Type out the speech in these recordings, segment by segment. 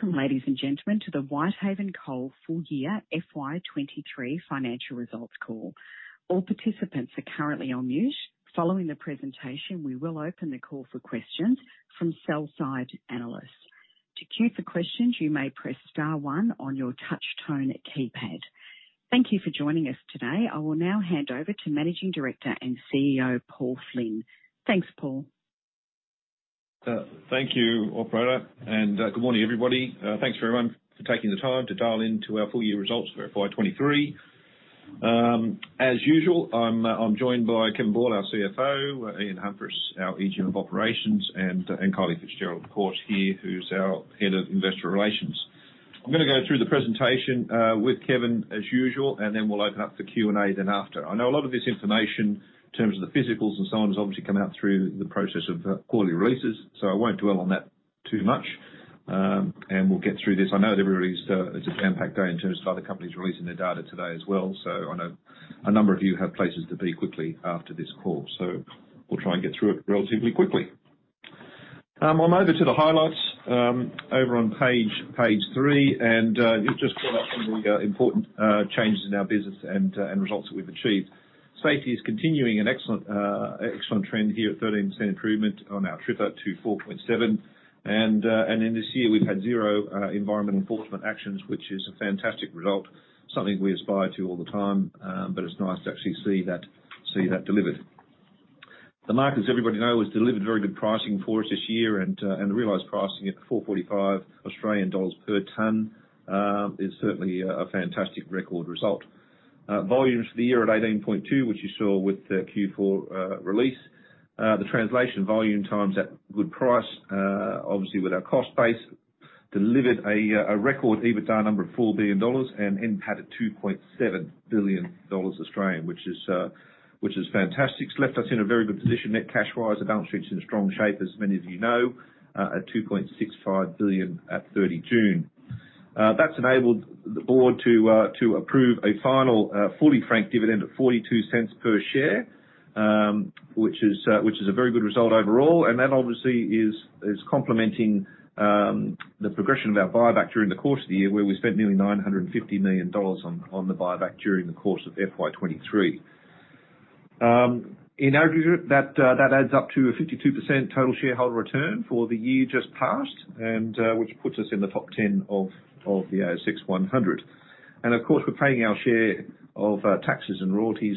Welcome, ladies and gentlemen, to the Whitehaven Coal full year FY23 financial results call. All participants are currently on mute. Following the presentation, we will open the call for questions from sell side analysts. To queue for questions, you may press star one on your touch tone keypad. Thank you for joining us today. I will now hand over to Managing Director and CEO, Paul Flynn. Thanks, Paul. Thank you, Operator, good morning, everybody. Thanks, everyone, for taking the time to dial in to our full year results for FY 2023. As usual, I'm joined by Kevin Ball, our CFO, Ian Humphris, our General of Operations, and Kylie Fitzgerald, of course, here, who's our Head of Investor Relations. I'm gonna go through the presentation with Kevin as usual, then we'll open up the Q&A then after. I know a lot of this information, in terms of the physicals and so on, has obviously come out through the process of quarterly releases, I won't dwell on that too much. We'll get through this. I know everybody's, it's a jam-packed day in terms of other companies releasing their data today as well. I know a number of you have places to be quickly after this call, so we'll try and get through it relatively quickly. On over to the highlights, over on page three, it just brought up some of the important changes in our business and results that we've achieved. Safety is continuing an excellent, excellent trend here at 13% improvement on our trip up to 4.7. Then this year we've had 0 environment enforcement actions, which is a fantastic result, something we aspire to all the time. But it's nice to actually see that, see that delivered. The market, as everybody know, has delivered very good pricing for us this year, and the realized pricing at 445 Australian dollars per ton is certainly a fantastic record result. Volumes for the year at 18.2, which you saw with the Q4 release. The translation volume times that good price, obviously with our cost base, delivered a record EBITDA number of four billion dollars and NPAT of 2.7 billion Australian dollars Australian, which is fantastic. It's left us in a very good position, net cash wise. Our balance sheet's in strong shape, as many of you know, at 2.65 billion at 30 June. That's enabled the board to approve a final fully franked dividend of 0.42 per share, which is a very good result overall. That, obviously, is complementing the progression of our buyback during the course of the year, where we spent nearly 950 million dollars on the buyback during the course of FY23. In aggregate, that adds up to a 52% total shareholder return for the year just passed, which puts us in the top 10 of the S&P/ASX 100. Of course, we're paying our share of taxes and royalties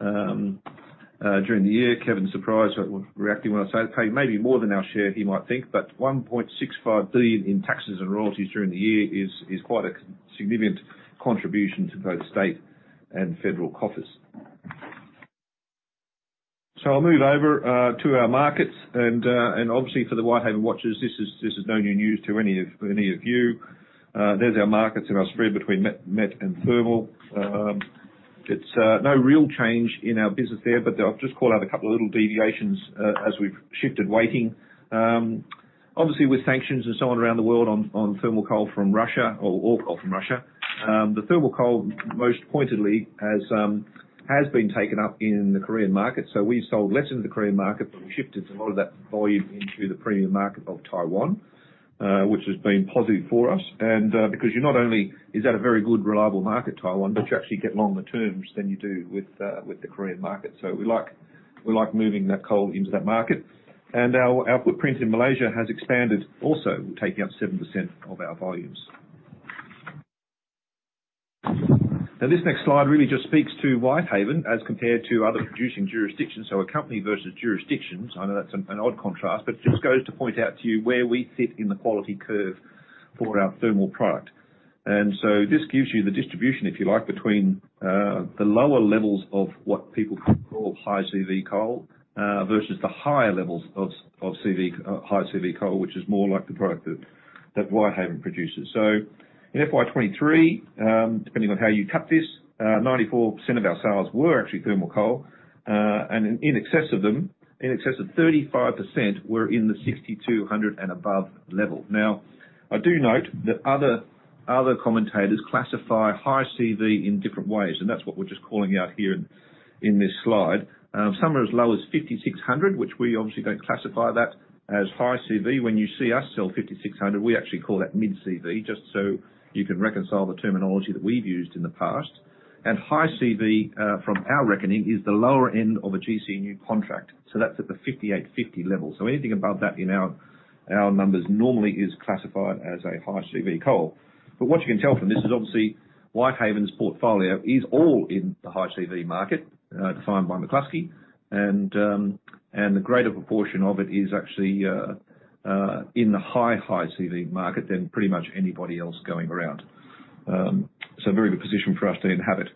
during the year. Kevin's surprised, reacting when I say, "Pay maybe more than our share," he might think, but 1.65 billion in taxes and royalties during the year is quite a significant contribution to both state and federal coffers. I'll move over to our markets, and obviously for the Whitehaven watchers, this is no new news to any of you. There's our markets and our spread between met and thermal. It's no real change in our business there, but I'll just call out a couple of little deviations as we've shifted weighting. Obviously, with sanctions and so on around the world, on thermal coal from Russia, or all coal from Russia, the thermal coal, most pointedly, has been taken up in the Korean market. We sold less into the Korean market, but we shifted a lot of that volume into the premium market of Taiwan, which has been positive for us. Because you're not only is that a very good, reliable market, Taiwan, but you actually get longer terms than you do with the Korean market. We like, we like moving that coal into that market. Our, our footprint in Malaysia has expanded, also taking up 7% of our volumes. Now, this next slide really just speaks to Whitehaven as compared to other producing jurisdictions, so a company versus jurisdictions. I know that's an, an odd contrast, but just goes to point out to you where we sit in the quality curve for our thermal product. So this gives you the distribution, if you like, between the lower levels of what people call high CV coal, versus the higher levels of, of CV, high CV coal, which is more like the product that, that Whitehaven produces. In FY23, depending on how you cut this, 94% of our sales were actually thermal coal. In excess of them, in excess of 35% were in the 6,200 and above level. I do note that other, other commentators classify high CV in different ways, and that's what we're just calling out here in, in this slide. Some are as low as 5,600, which we obviously don't classify that as high CV. When you see us sell 5,600, we actually call that mid CV, just so you can reconcile the terminology that we've used in the past. High CV, from our reckoning, is the lower end of a gC NEWC contract, so that's at the 5,850 level. Anything above that in our, our numbers normally is classified as a high CV coal. What you can tell from this is obviously Whitehaven's portfolio is all in the high CV market, defined by McCloskey. The greater proportion of it is actually in the high, high CV market than pretty much anybody else going around. A very good position for us to inhabit.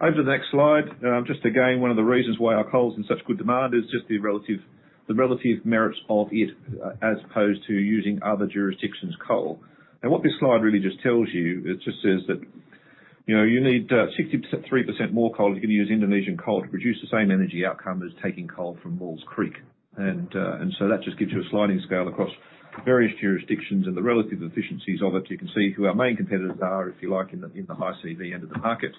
Over to the next slide. Just again, one of the reasons why our coal is in such good demand is just the relative, the relative merits of it, as opposed to using other jurisdictions' coal. What this slide really just tells you, it just says that, you know, you need, 63% more coal if you use Indonesian coal to produce the same energy outcome as taking coal from Werris Creek. So that just gives you a sliding scale across various jurisdictions and the relative efficiencies of it. You can see who our main competitors are, if you like, in the, in the high CV end of the market.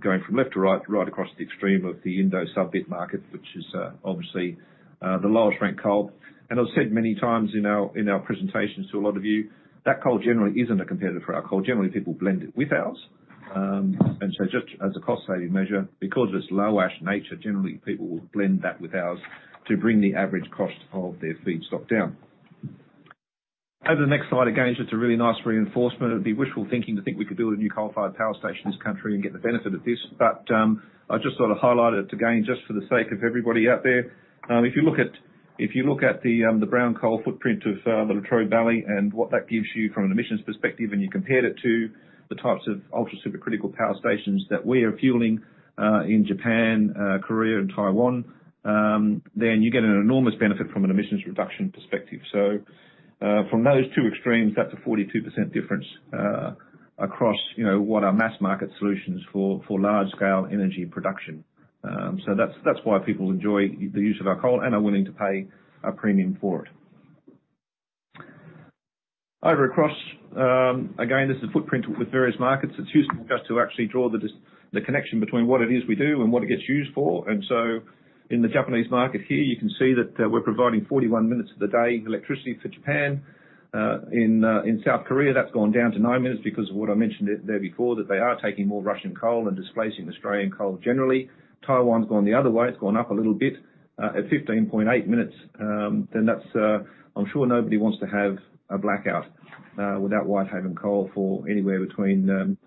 Going from left to right, right across the extreme of the Indo Sub Bit market, which is, obviously the large rank coal. I've said many times in our, in our presentations to a lot of you, that coal generally isn't a competitor for our coal. Generally, people blend it with ours. Just as a cost-saving measure, because of its low ash nature, generally people will blend that with ours to bring the average cost of their feedstock down. Over the next slide, again, just a really nice reinforcement. It'd be wishful thinking to think we could build a new coal-fired power station in this country and get the benefit of this, but I just sort of highlighted it again, just for the sake of everybody out there. If you look at, if you look at the brown coal footprint of the Latrobe Valley and what that gives you from an emissions perspective, and you compared it to the types of ultra-supercritical power stations that we are fueling in Japan, Korea, and Taiwan, then you get an enormous benefit from an emissions reduction perspective. From those two extremes, that's a 42% difference across, you know, what are mass market solutions for, for large-scale energy production. That's, that's why people enjoy the use of our coal and are willing to pay a premium for it. Over across, again, this is a footprint with various markets. It's useful just to actually draw the connection between what it is we do and what it gets used for. In the Japanese market here, you can see that we're providing 41 minutes of the day electricity for Japan. In South Korea, that's gone down to nine minutes because of what I mentioned there before, that they are taking more Russian coal and displacing Australian coal generally. Taiwan's gone the other way. It's gone up a little bit at 15.8 minutes. That's I'm sure nobody wants to have a blackout without Whitehaven Coal for anywhere between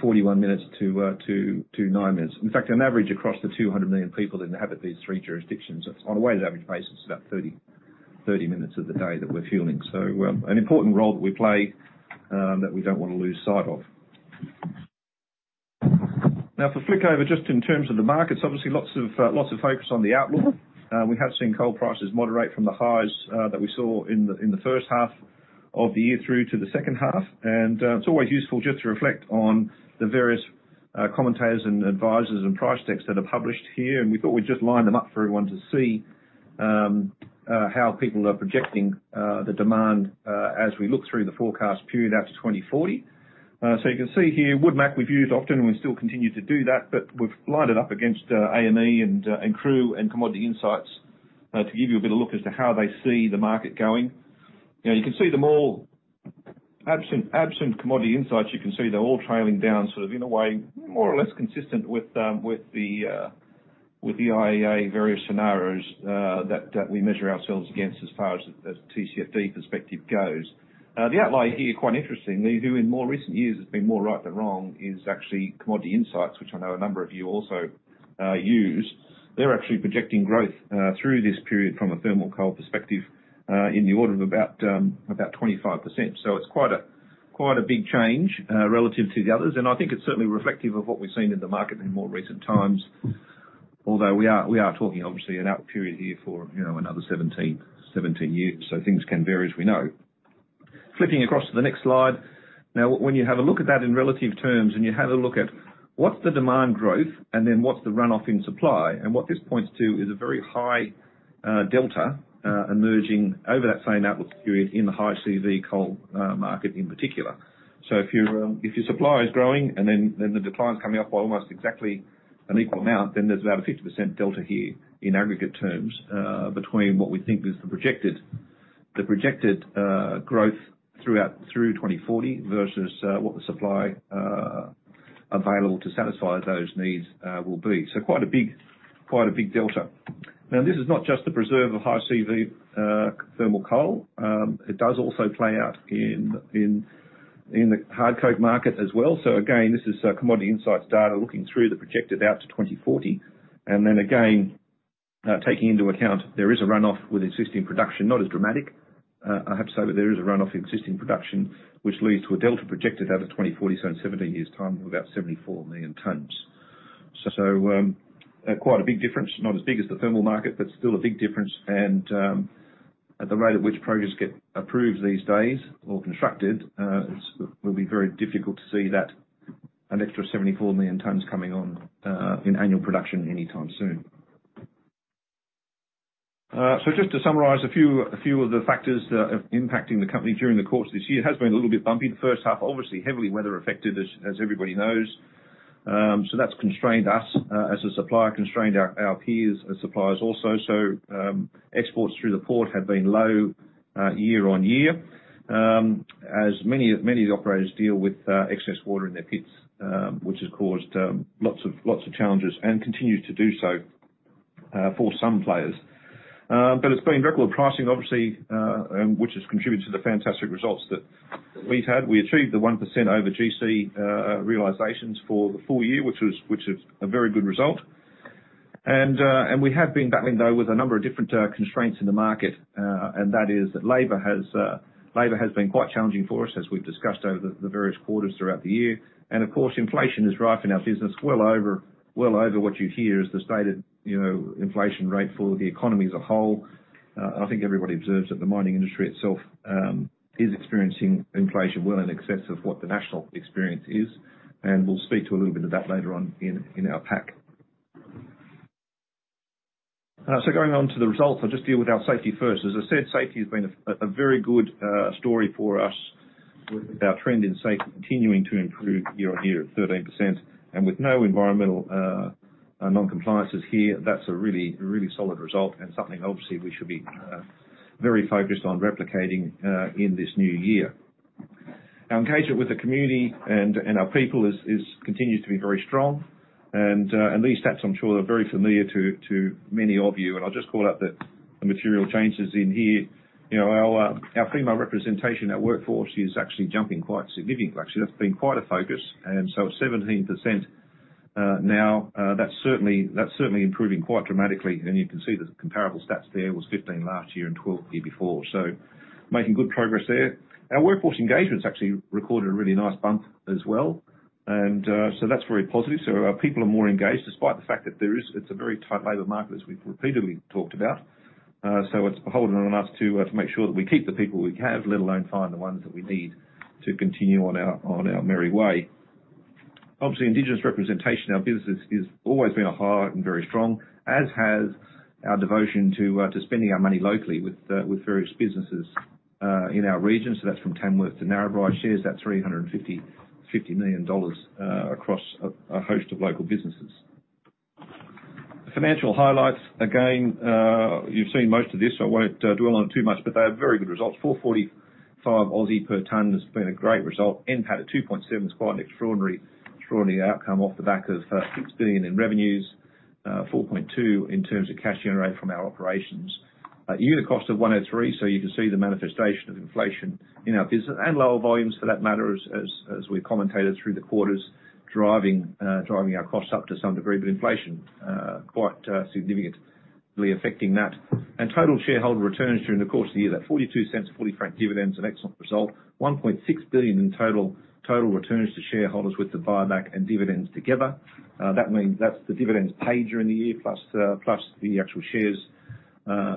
41 minutes to 9 mines. In fact, on average, across the 200 million people that inhabit these three jurisdictions, on a weighted average basis, it's about 30 minutes of the day that we're fueling. An important role that we play that we don't want to lose sight of. Now for flick over, just in terms of the markets, obviously, lots of, lots of focus on the outlook. We have seen coal prices moderate from the highs, that we saw in the, in the first half of the year through to the second half. It's always useful just to reflect on the various, commentators and advisors and price decks that are published here. We thought we'd just line them up for everyone to see, how people are projecting, the demand, as we look through the forecast period out to 2040. You can see here, WoodMac, we've used often, and we still continue to do that, but we've lined it up against AME and CRU and Commodity Insights to give you a bit of look as to how they see the market going. You know, you can see them all. Absent, absent Commodity Insights, you can see they're all trailing down, sort of in a way, more or less consistent with the IEA various scenarios that we measure ourselves against as far as TCFD perspective goes. The outlier here, quite interestingly, who in more recent years has been more right than wrong, is actually Commodity Insights, which I know a number of you also use. They're actually projecting growth through this period from a thermal coal perspective in the order of about 25%. It's quite a, quite a big change relative to the others, and I think it's certainly reflective of what we've seen in the market in more recent times. Although, we are, we are talking obviously an outlook period here for, you know, another 17, 17 years, so things can vary, as we know. Flipping across to the next slide. When you have a look at that in relative terms, and you have a look at what's the demand growth, and then what's the runoff in supply, and what this points to is a very high delta emerging over that same outlook period in the high CV coal market in particular. If your, if your supply is growing and then, then the decline's coming up by almost exactly an equal amount, then there's about a 50% delta here in aggregate terms, between what we think is the projected, the projected, growth through 2040 versus, what the supply available to satisfy those needs will be. Quite a big, quite a big delta. Now, this is not just the preserve of high CV thermal coal. It does also play out in, in, in the hard coal market as well. Again, this is Commodity Insights data, looking through the projected out to 2040. Then again, taking into account there is a runoff with existing production. Not as dramatic, I have to say, but there is a runoff in existing production, which leads to a delta projected out of 2040, so in 17 years' time, of about 74 million tons. Quite a big difference. Not as big as the thermal market, but still a big difference. At the rate at which projects get approved these days, or constructed, it will be very difficult to see that, an extra 74 million tons coming on in annual production anytime soon. Just to summarize a few, a few of the factors that are impacting the company during the course of this year. It has been a little bit bumpy. The first half, obviously, heavily weather affected, as, as everybody knows. That's constrained us as a supplier, constrained our, our peers as suppliers, also. Exports through the port have been low, year-on-year. As many of, many of the operators deal with excess water in their pits, which has caused lots of, lots of challenges and continues to do so for some players. It's been record pricing, obviously, which has contributed to the fantastic results that we've had. We achieved the 1% over GC realizations for the full year, which was, which is a very good result. We have been battling, though, with a number of different constraints in the market, and that is that labor has, labor has been quite challenging for us, as we've discussed over the various quarters throughout the year. Of course, inflation is rife in our business, well over, well over what you'd hear as the stated, you know, inflation rate for the economy as a whole. I think everybody observes that the mining industry itself, is experiencing inflation well in excess of what the national experience is, and we'll speak to a little bit of that later on in, in our pack. Going on to the results, I'll just deal with our safety first. As I said, safety has been a very good story for us with our trend in safety continuing to improve year-on-year at 13%, and with no environmental non-compliances here, that's a really a really solid result, and something obviously we should be very focused on replicating in this new year. Our engagement with the community and our people is continues to be very strong. These stats, I'm sure, are very familiar to many of you, and I'll just call out the material changes in here. You know, our female representation at workforce is actually jumping quite significantly. Actually, that's been quite a focus, and so 17% now, that's certainly improving quite dramatically. You can see the comparable stats there was 15 last year and 12 the year before. Making good progress there. Our workforce engagement's actually recorded a really nice bump as well, and so that's very positive. Our people are more engaged, despite the fact that it's a very tight labor market, as we've repeatedly talked about. It's beholden on us to make sure that we keep the people we have, let alone find the ones that we need, to continue on our, on our merry way. Obviously, Indigenous representation in our business has always been a high and very strong, as has our devotion to spending our money locally with various businesses in our region. That's from Tamworth to Narrabri. Shares that 350 million dollars across a host of local businesses. Financial highlights. Again, you've seen most of this, I won't dwell on it too much, they are very good results. 445 per tonne has been a great result. NPAT of 2.7 billion is quite an extraordinary, extraordinary outcome off the back of 16 billion in revenues. 4.2 billion in terms of cash generated from our operations. Unit cost of 103, so you can see the manifestation of inflation in our business, and lower volumes for that matter, as we commentated through the quarters, driving our costs up to some degree, but inflation quite significantly affecting that. Total shareholder returns during the course of the year, that 0.42, fully franked dividend is an excellent result. 1.6 billion in total, total returns to shareholders with the buyback and dividends together. That means that's the dividends paid during the year, plus the, plus the actual shares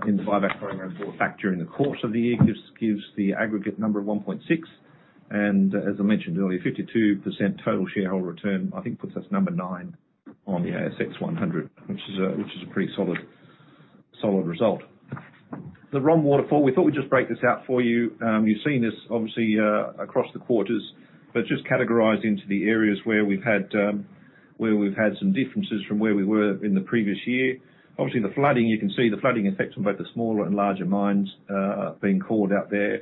in the buyback program bought back during the course of the year, gives, gives the aggregate number of 1.6 billion. As I mentioned earlier, 52% total shareholder return, I think puts us number 9 on the S&P/ASX 100, which is a pretty solid, solid result. The ROM Waterfall, we thought we'd just break this out for you. You've seen this obviously across the quarters, but just categorized into the areas where we've had some differences from where we were in the previous year. Obviously, the flooding, you can see the flooding effect on both the smaller and larger mines are being called out there.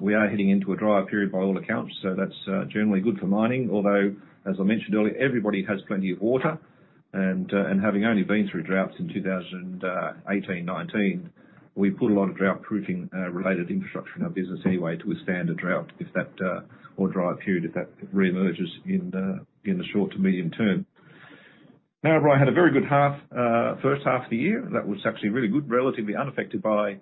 We are heading into a drier period by all accounts, so that's generally good for mining. Although, as I mentioned earlier, everybody has plenty of water, and having only been through droughts in 2018, 2019, we put a lot of drought-proofing related infrastructure in our business anyway to withstand a drought if that, or drier period, if that reemerges in the, in the short to medium term. Narrabri had a very good half, first half of the year. That was actually really good, relatively unaffected by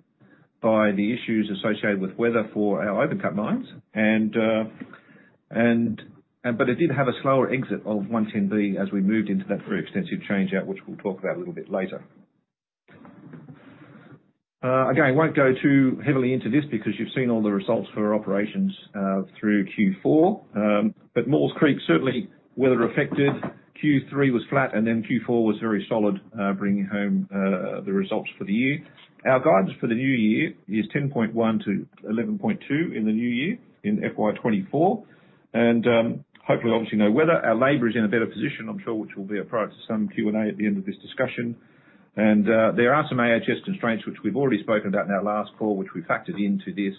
the issues associated with weather for our open-cut mines. But it did have a slower exit of 110V as we moved into that very extensive change out, which we'll talk about a little bit later. Again, I won't go too heavily into this because you've seen all the results for our operations through Q4. But Maules Creek, certainly weather-affected. Q3 was flat, Q4 was very solid, bringing home the results for the year. Our guidance for the new year is 10.1 to 11.2 in the new year, in FY2024. Hopefully, obviously, no weather. Our labor is in a better position, I'm sure, which will be a part of some Q&A at the end of this discussion. There are some AHJ constraints, which we've already spoken about in our last call, which we factored into this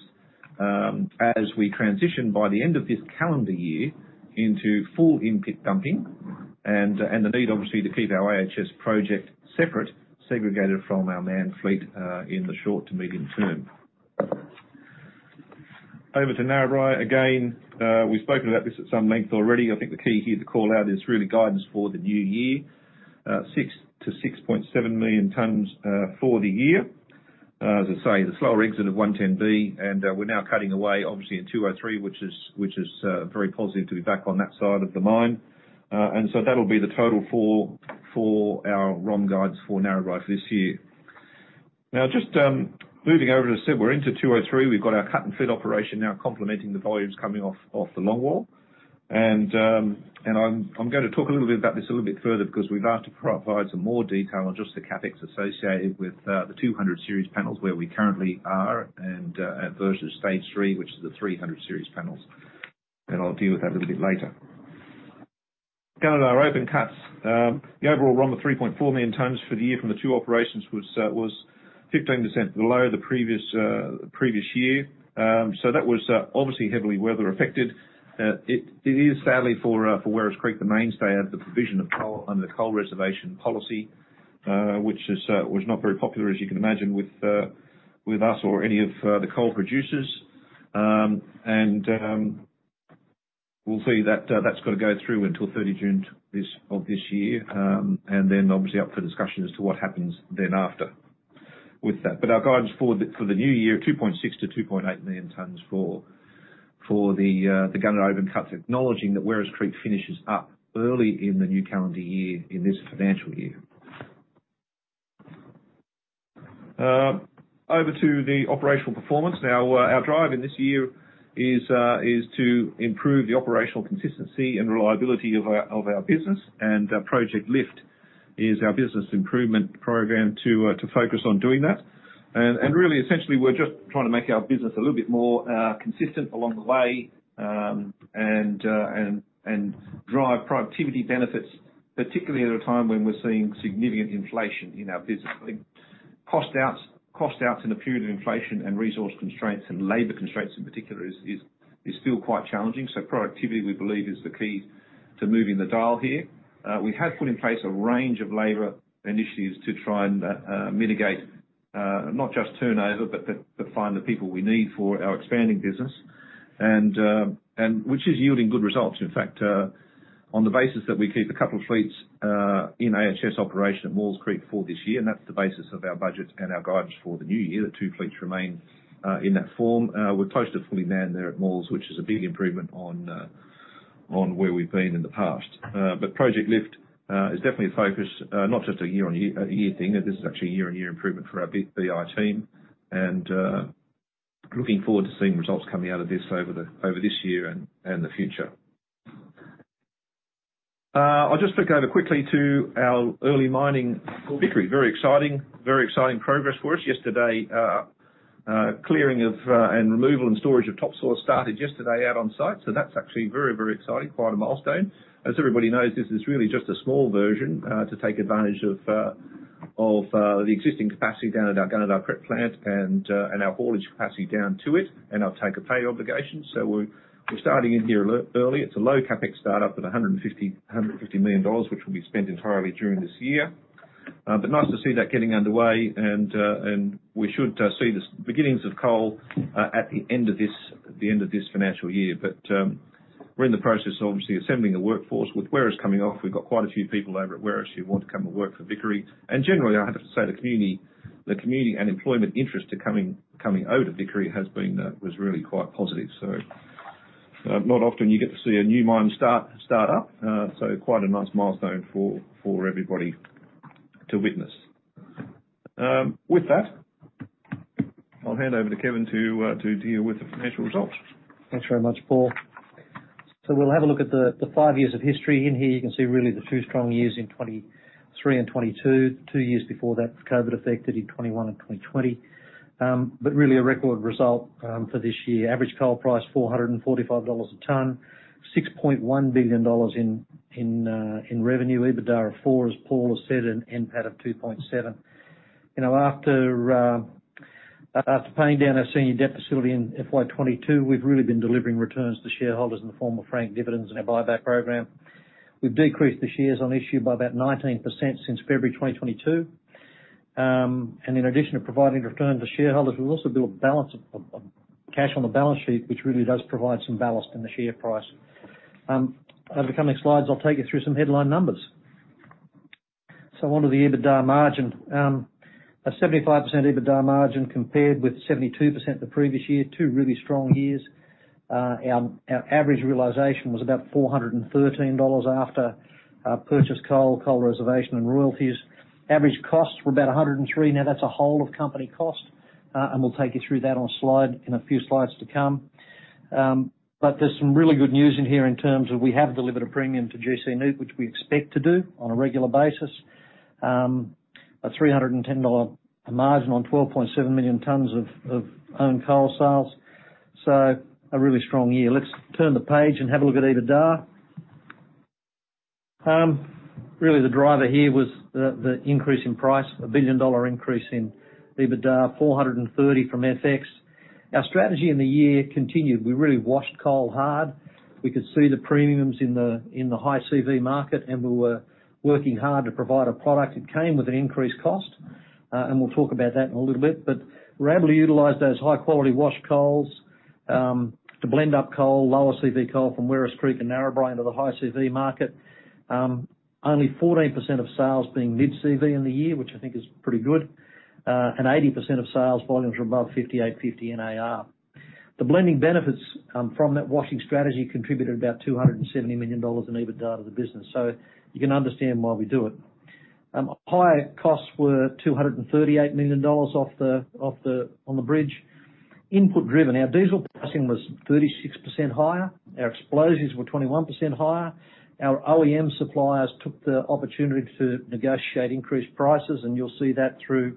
as we transition by the end of this calendar year into full in-pit dumping, and the need, obviously, to keep our AHJ project separate, segregated from our manned fleet in the short to medium term. Over to Narrabri. Again, we've spoken about this at some length already. I think the key here to call out is really guidance for the new year. 6-6.7 million tonnes for the year. As I say, the slower exit of 110V, and we're now cutting away obviously in LW 203, which is, which is very positive to be back on that side of the mine. So that'll be the total for, for our ROM guides for Narrabri for this year. Now, just moving over, as I said, we're into LW 203. We've got our cut and fill operation now complementing the volumes coming off, off the longwall. I'm, I'm gonna talk a little bit about this a little bit further because we've asked to pro- provide some more detail on just the CapEx associated with the 200 series panels where we currently are, and versus phase 3, which is the 300 series panels. I'll deal with that a little bit later. Going to our open cuts, the overall ROM of 3.4 million tonnes for the year from the 2 operations was 15% below the previous previous year. So that was obviously heavily weather-affected. It, it is sadly for Werris Creek, the mainstay, of the provision of coal under the Coal Reservation Policy, which is was not very popular, as you can imagine, with us or any of the coal producers. We'll see that that's got to go through until 30 June, this, of this year. Obviously up for discussion as to what happens then after with that. Our guidance for the, for the new year, 2.6 to 2.8 million tonnes for, for the Gunnedah open cuts, acknowledging that Werris Creek finishes up early in the new calendar year, in this financial year. Over to the operational performance. Our drive in this year is to improve the operational consistency and reliability of our, of our business and our Project Lift, is our business improvement program to focus on doing that. Really, essentially, we're just trying to make our business a little bit more consistent along the way, and drive productivity benefits, particularly at a time when we're seeing significant inflation in our business. I think cost outs, cost outs in a period of inflation and resource constraints and labor constraints in particular, is still quite challenging. Productivity, we believe, is the key to moving the dial here. We have put in place a range of labor initiatives to try and mitigate not just turnover, but find the people we need for our expanding business, and which is yielding good results. In fact, on the basis that we keep a couple of fleets in AHS operation at Maules Creek for this year, and that's the basis of our budget and our guidance for the new year, the two fleets remain in that form. We're close to fully manned there at Maules, which is a big improvement on where we've been in the past. But Project Lift is definitely a focus, not just a year-on-year thing. This is actually a year-on-year improvement for our BI team, and looking forward to seeing results coming out of this over this year and the future. I'll just flick over quickly to our early mining Vickery. Very exciting, very exciting progress for us. Yesterday, clearing of, and removal and storage of topsoil started yesterday out on site, so that's actually very, very exciting. Quite a milestone. As everybody knows, this is really just a small version, to take advantage of, of, the existing capacity down at our Gunnedah prep plant and, and our haulage capacity down to it, and our take-or-pay obligation. We're, we're starting in here ear-early. It's a low CapEx start-up at 150, 150 million dollars, which will be spent entirely during this year. Nice to see that getting underway, and we should see the beginnings of coal at the end of this, the end of this financial year. We're in the process of obviously assembling a workforce. With Werris coming off, we've got quite a few people over at Werris who want to come and work for Vickery. Generally, I have to say, the community, the community and employment interest to coming, coming out of Vickery has been, was really quite positive. Not often you get to see a new mine start, start up, so quite a nice milestone for, for everybody to witness. With that, I'll hand over to Kevin to deal with the financial results. Thanks very much, Paul. We'll have a look at the, the 5 years of history. In here, you can see really the two strong years in 2023 and 2022, two years before that, COVID affected in 2021 and 2020. But really a record result for this year. Average coal price, 445 dollars a ton, 6.1 billion dollars in, in revenue, EBITDA of four, as Paul has said, and NPAT of 2.7 billion. You know, after paying down our senior debt facility in FY22, we've really been delivering returns to shareholders in the form of franked dividends and our buyback program. We've decreased the shares on issue by about 19% since February 2022. In addition to providing returns to shareholders, we've also built a balance of, of, of cash on the balance sheet, which really does provide some ballast in the share price. Over the coming slides, I'll take you through some headline numbers. On to the EBITDA margin. A 75% EBITDA margin compared with 72% the previous year. Two really strong years. Our, our average realization was about 413 dollars after purchase coal, coal reservation, and royalties. Average costs were about 103. Now, that's a whole of company cost, and we'll take you through that on a slide, in a few slides to come. There's some really good news in here in terms of we have delivered a premium to gC Newc, which we expect to do on a regular basis. A 310 dollar margin on 12.7 million tons of owned coal sales, so a really strong year. Let's turn the page and have a look at EBITDA. Really, the driver here was the increase in price. A 1 billion dollar increase in EBITDA, 430 from FX. Our strategy in the year continued. We really washed coal hard. We could see the premiums in the high CV market, and we were working hard to provide a product that came with an increased cost. And we'll talk about that in a little bit, but we're able to utilize those high-quality washed coals to blend up coal, lower CV coal from Werris Creek and Narrabri into the high CV market. Only 14% of sales being mid CV in the year, which I think is pretty good. 80% of sales volumes were above 5850 NAR. The blending benefits from that washing strategy contributed about 270 million dollars in EBITDA to the business, so you can understand why we do it. Higher costs were 238 million dollars off the, off the, on the bridge. Input driven. Our diesel pricing was 36% higher. Our explosives were 21% higher. Our OEM suppliers took the opportunity to negotiate increased prices, and you'll see that through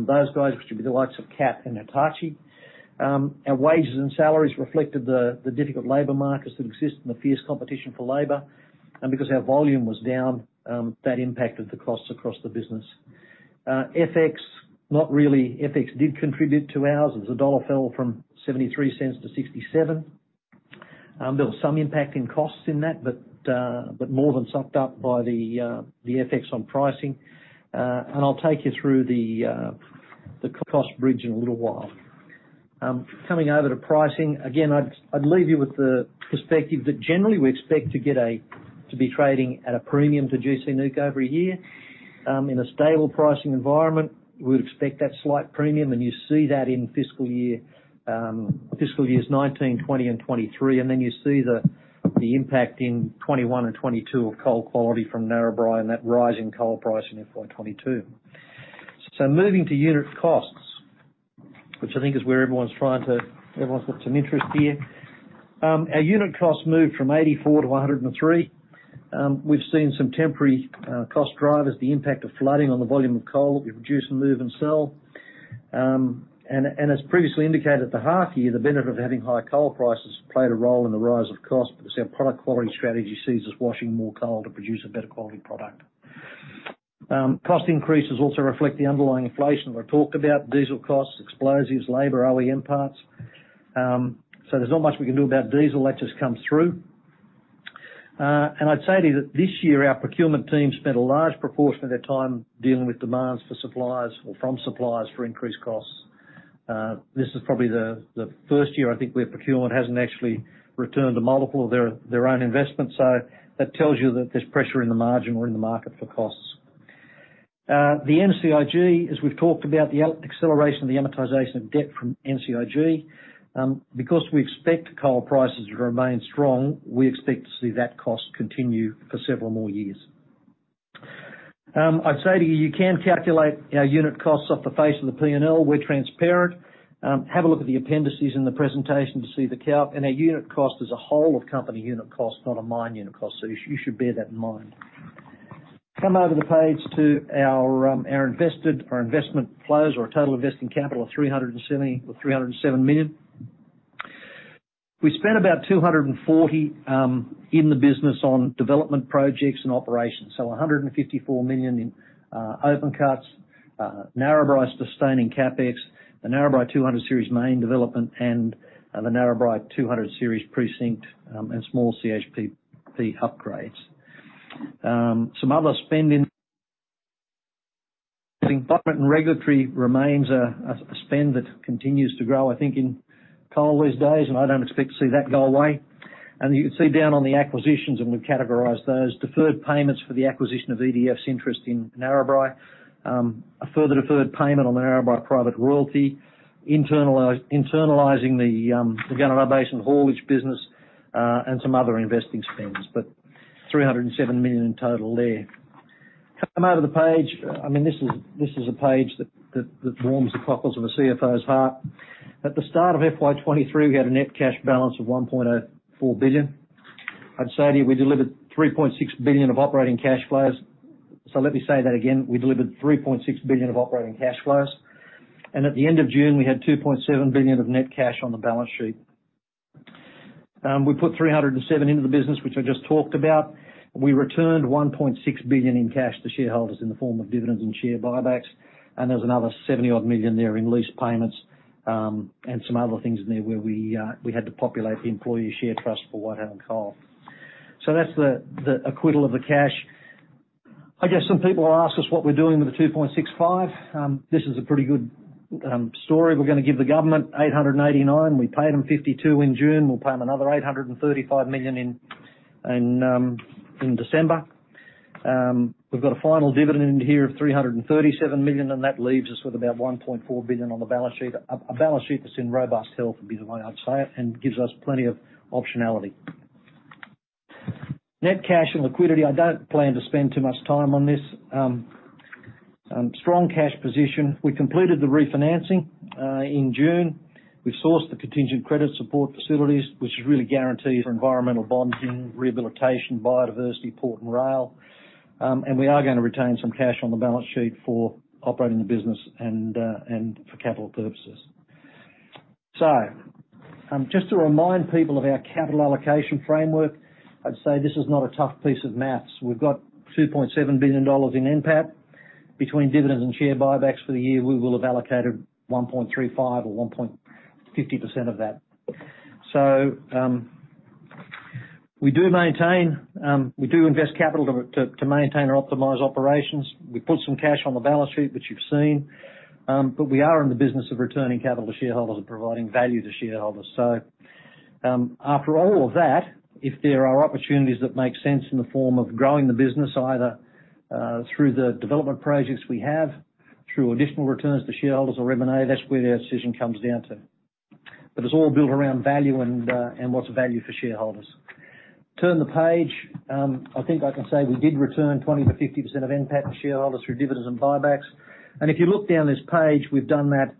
those guys, which would be the likes of Cat and Hitachi. Our wages and salaries reflected the, the difficult labor markets that exist and the fierce competition for labor. And because our volume was down, that impacted the costs across the business. FX, not really. FX did contribute to ours. As the dollar fell from 0.73 to 0.67, there was some impact in costs in that, but more than sucked up by the FX on pricing. I'll take you through the cost bridge in a little while. Coming over to pricing, again, I'd leave you with the perspective that generally we expect to get to be trading at a premium to gC Newc every year. In a stable pricing environment, we'd expect that slight premium, and you see that in fiscal year, fiscal years 2019, 2020, and 2023. Then you see the impact in 2021 and 2022 of coal quality from Narrabri and that rise in coal price in FY22. Moving to unit costs, which I think is where everyone's trying to everyone's got some interest here. Our unit costs moved from 84 to 103. We've seen some temporary cost drivers, the impact of flooding on the volume of coal that we produce and move and sell. As previously indicated, at the half year, the benefit of having high coal prices played a role in the rise of cost, because our product quality strategy sees us washing more coal to produce a better quality product. Cost increases also reflect the underlying inflation that I talked about, diesel costs, explosives, labor, OEM parts. There's not much we can do about diesel, that just comes through. I'd say to you that this year, our procurement team spent a large proportion of their time dealing with demands for suppliers or from suppliers for increased costs. This is probably the, the first year, I think, where procurement hasn't actually returned a multiple of their, their own investment. That tells you that there's pressure in the margin or in the market for costs. The NCIG, as we've talked about, the acceleration of the amortization of debt from NCIG. Because we expect coal prices to remain strong, we expect to see that cost continue for several more years. I'd say to you, you can calculate our unit costs off the face of the P&L. We're transparent. Have a look at the appendices in the presentation to see the calc, and our unit cost is a whole of company unit cost, not a mine unit cost, so you should, you should bear that in mind. Come over to the page to our, our invested, our investment flows or total investing capital of 307 million. We spent about 240 million in the business on development projects and operations. 154 million in open cuts, Narrabri sustaining CapEx, the Narrabri 200 Series main development, the Narrabri 200 Series precinct, and small CHP, P upgrades. Some other spend in environment and regulatory remains a spend that continues to grow, I think, in coal these days, and I don't expect to see that go away. You can see down on the acquisitions, and we've categorized those, deferred payments for the acquisition of EDF's interest in Narrabri. A further deferred payment on the Narrabri private royalty, internalizing the Gunnedah Basin haulage business, and some other investing spends, but 307 million in total there. Come over to the page. I mean, this is, this is a page that, that, that warms the cockles of a CFO's heart. At the start of FY23, we had a net cash balance of 1.04 billion. I'd say to you, we delivered 3.6 billion of operating cash flows. Let me say that again. We delivered 3.6 billion of operating cash flows, and at the end of June, we had 2.7 billion of net cash on the balance sheet. We put 307 into the business, which I just talked about. We returned 1.6 billion in cash to shareholders in the form of dividends and share buybacks. There's another 70 odd million there in lease payments, and some other things in there where we had to populate the employee share trust for Whitehaven Coal. That's the, the acquittal of the cash. I guess some people will ask us what we're doing with the 2.65. This is a pretty good story. We're gonna give the government 889. We paid them 52 in June. We'll pay them another 835 million in December. We've got a final dividend here of 337 million, and that leaves us with about 1.4 billion on the balance sheet, a balance sheet that's in robust health, would be the way I'd say it, and gives us plenty of optionality. Net cash and liquidity, I don't plan to spend too much time on this. Strong cash position. We completed the refinancing in June. We've sourced the contingent credit support facilities, which is really guarantees for environmental bonding, rehabilitation, biodiversity, port, and rail. We are gonna retain some cash on the balance sheet for operating the business and for capital purposes. Just to remind people of our capital allocation framework, I'd say this is not a tough piece of math. We've got 2.7 billion dollars in NPAT. Between dividends and share buybacks for the year, we will have allocated 1.35 or 1.50% of that. We do maintain, we do invest capital to, to, to maintain or optimize operations. We put some cash on the balance sheet, which you've seen. We are in the business of returning capital to shareholders and providing value to shareholders. After all of that, if there are opportunities that make sense in the form of growing the business, either through the development projects we have, through additional returns to shareholders or remina, that's where their decision comes down to. It's all built around value and what's of value for shareholders. Turn the page. I think I can say we did return 20%-50% of NPAT to shareholders through dividends and buybacks. If you look down this page, we've done that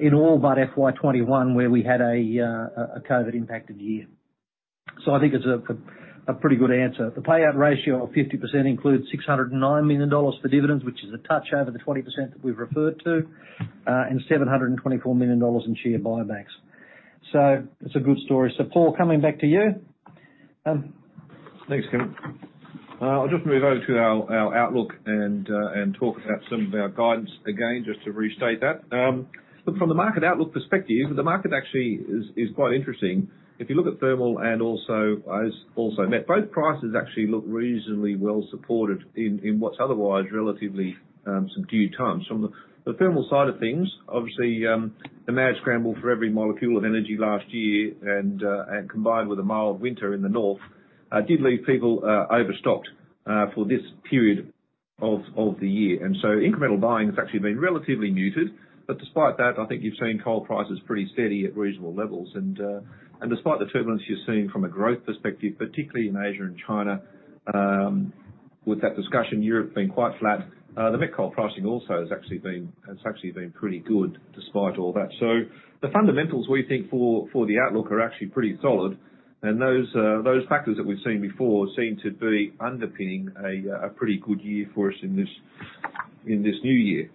in all but FY21, where we had a COVID-impacted year. I think it's a pretty good answer. The payout ratio of 50% includes 609 million dollars for dividends, which is a touch over the 20% that we've referred to and 724 million dollars in share buybacks. It's a good story. Paul, coming back to you. Thanks, Kevin. I'll just move over to our, our outlook and talk about some of our guidance again, just to restate that. Look, from the market outlook perspective, the market actually is, is quite interesting. If you look at thermal and also as, also met, both prices actually look reasonably well supported in, in what's otherwise relatively subdued times. From the, the thermal side of things, obviously, the mad scramble for every molecule of energy last year and combined with a mild winter in the north, did leave people overstocked for this period of the year. Incremental buying has actually been relatively muted. Despite that, I think you've seen coal prices pretty steady at reasonable levels. Despite the turbulence you're seeing from a growth perspective, particularly in Asia and China. With that discussion, Europe being quite flat, the met coal pricing also has actually been pretty good despite all that. The fundamentals, we think, for the outlook are actually pretty solid. Those factors that we've seen before seem to be underpinning a pretty good year for us in this, in this new year.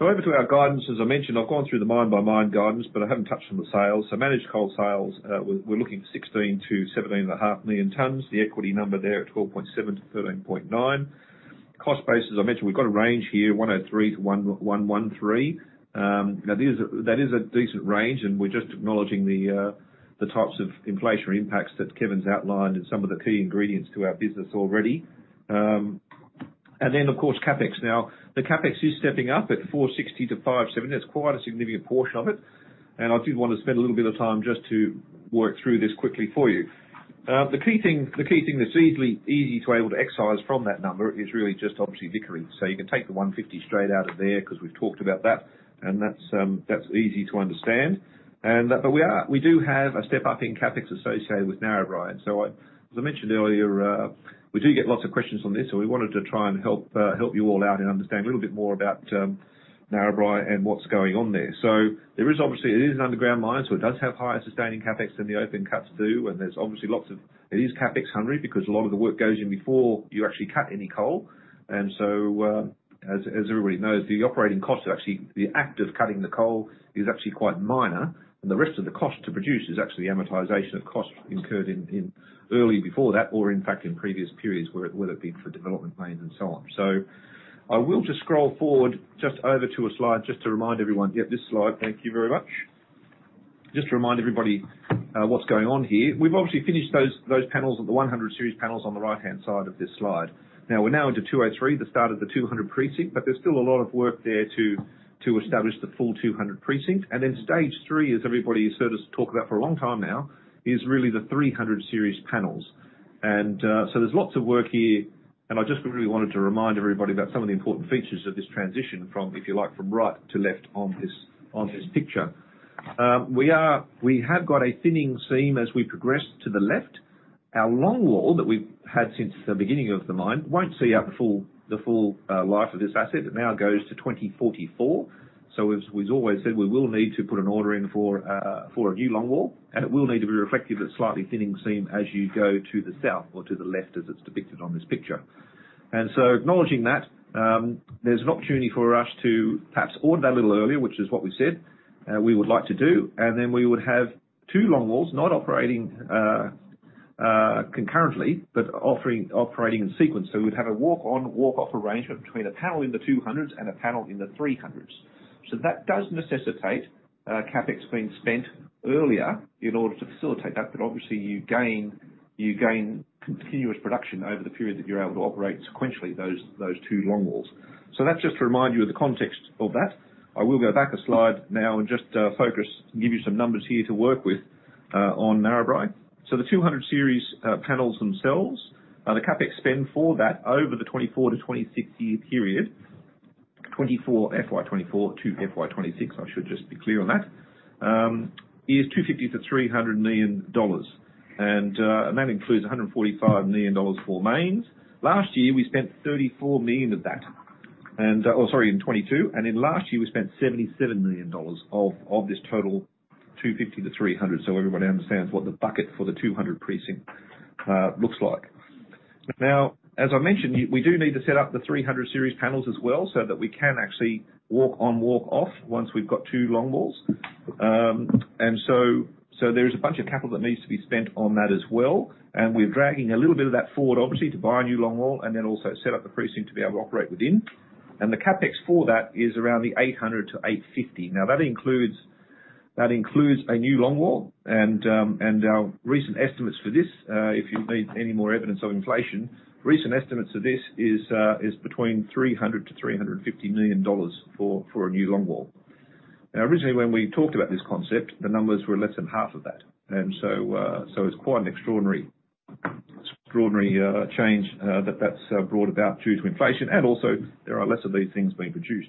Over to our guidance. As I mentioned, I've gone through the mine-by-mine guidance, but I haven't touched on the sales. Managed coal sales, we're looking 16 million-17.5 million tons. The equity number there at 12.7 million-13.9 million tons. Cost base, as I mentioned, we've got a range here, 103-113. Now that is a decent range, and we're just acknowledging the types of inflationary impacts that Kevin's outlined in some of the key ingredients to our business already. Of course, CapEx. The CapEx is stepping up at 460-570. That's quite a significant portion of it, and I do want to spend a little bit of time just to work through this quickly for you. The key thing, the key thing that's easily, easy to able to excise from that number is really just obviously Vickery. You can take the 150 straight out of there, because we've talked about that, and that's easy to understand. We do have a step-up in CapEx associated with Narrabri. As I mentioned earlier, we do get lots of questions on this, so we wanted to try and help you all out and understand a little bit more about Narrabri and what's going on there. There's obviously lots of... It is CapEx hungry because a lot of the work goes in before you actually cut any coal. As everybody knows, the act of cutting the coal is actually quite minor, and the rest of the cost to produce is actually amortization of costs incurred in early before that, or in fact, in previous periods, where, whether it be for development plans and so on. I will just scroll forward just over to a slide, just to remind everyone. Yep, this slide. Thank you very much. Just to remind everybody, what's going on here. We've obviously finished those, those panels, of the 100 series panels on the right-hand side of this slide. Now, we're now into 203, the start of the 200 precinct, but there's still a lot of work there to, to establish the full 200 precinct. Then Stage three as everybody has heard us talk about for a long time now, is really the 300 series panels. There's lots of work here, and I just really wanted to remind everybody about some of the important features of this transition from, if you like, from right to left on this, on this picture. We have got a thinning seam as we progress to the left. Our longwall that we've had since the beginning of the mine, won't see out the full, the full life of this asset. It now goes to 2044. As we've always said, we will need to put an order in for a new longwall, and it will need to be reflective of the slightly thinning seam as you go to the south or to the left, as it's depicted on this picture. Acknowledging that, there's an opportunity for us to perhaps order that a little earlier, which is what we said we would like to do. Then we would have 2 longwalls, not operating concurrently, but offering, operating in sequence. We'd have a walk-on, walk-off arrangement between a panel in the 200s and a panel in the 300s. That does necessitate CapEx being spent earlier in order to facilitate that. Obviously, you gain, you gain continuous production over the period that you're able to operate sequentially, those, those two longwalls. That's just to remind you of the context of that. I will go back a slide now and just focus and give you some numbers here to work with on Narrabri. The 200 series panels themselves, the CapEx spend for that over the 2024-2026 year period, FY2024 to FY2026, I should just be clear on that, is 250 million-300 million dollars. And that includes 145 million dollars for mains. Last year, we spent 34 million of that. Sorry, in 2022. In last year, we spent 77 million dollars of this total, 250 million-300 million. Everybody understands what the bucket for the 200 precinct looks like. As I mentioned, we, we do need to set up the 300 series panels as well, so that we can actually walk on, walk off, once we've got 2 longwalls. There is a bunch of capital that needs to be spent on that as well, and we're dragging a little bit of that forward, obviously, to buy a new longwall and then also set up the precinct to be able to operate within. The CapEx for that is around the 800 million-850 million. That includes, that includes a new longwall and, and, recent estimates for this, if you need any more evidence of inflation, recent estimates of this is, is between 300 million-350 million dollars for, for a new longwall. Originally, when we talked about this concept, the numbers were less than half of that. It's quite an extraordinary, extraordinary, change, that that's, brought about due to inflation. Also, there are less of these things being produced.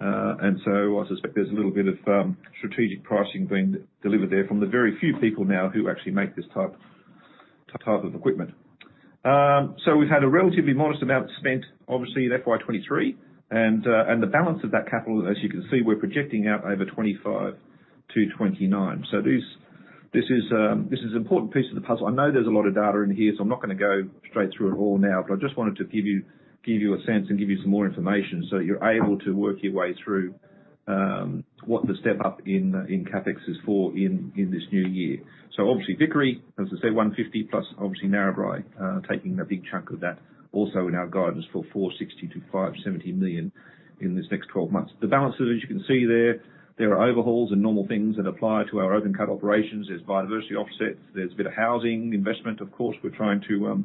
I suspect there's a little bit of, strategic pricing being delivered there from the very few people now who actually make this type, type of equipment. We've had a relatively modest amount spent, obviously, in FY23, and the balance of that capital, as you can see, we're projecting out over 2025-2029. This, this is an important piece of the puzzle. I know there's a lot of data in here, so I'm not gonna go straight through it all now, but I just wanted to give you, give you a sense and give you some more information so you're able to work your way through what the step-up in, in CapEx is for in, in this new year. Obviously, Vickery, as I say, 150+, obviously, Narrabri, taking a big chunk of that also in our guidance for 460 million-570 million in this next twelve months. The balances, as you can see there, there are overhauls and normal things that apply to our open cut operations. There's biodiversity offsets, there's a bit of housing investment. Of course, we're trying to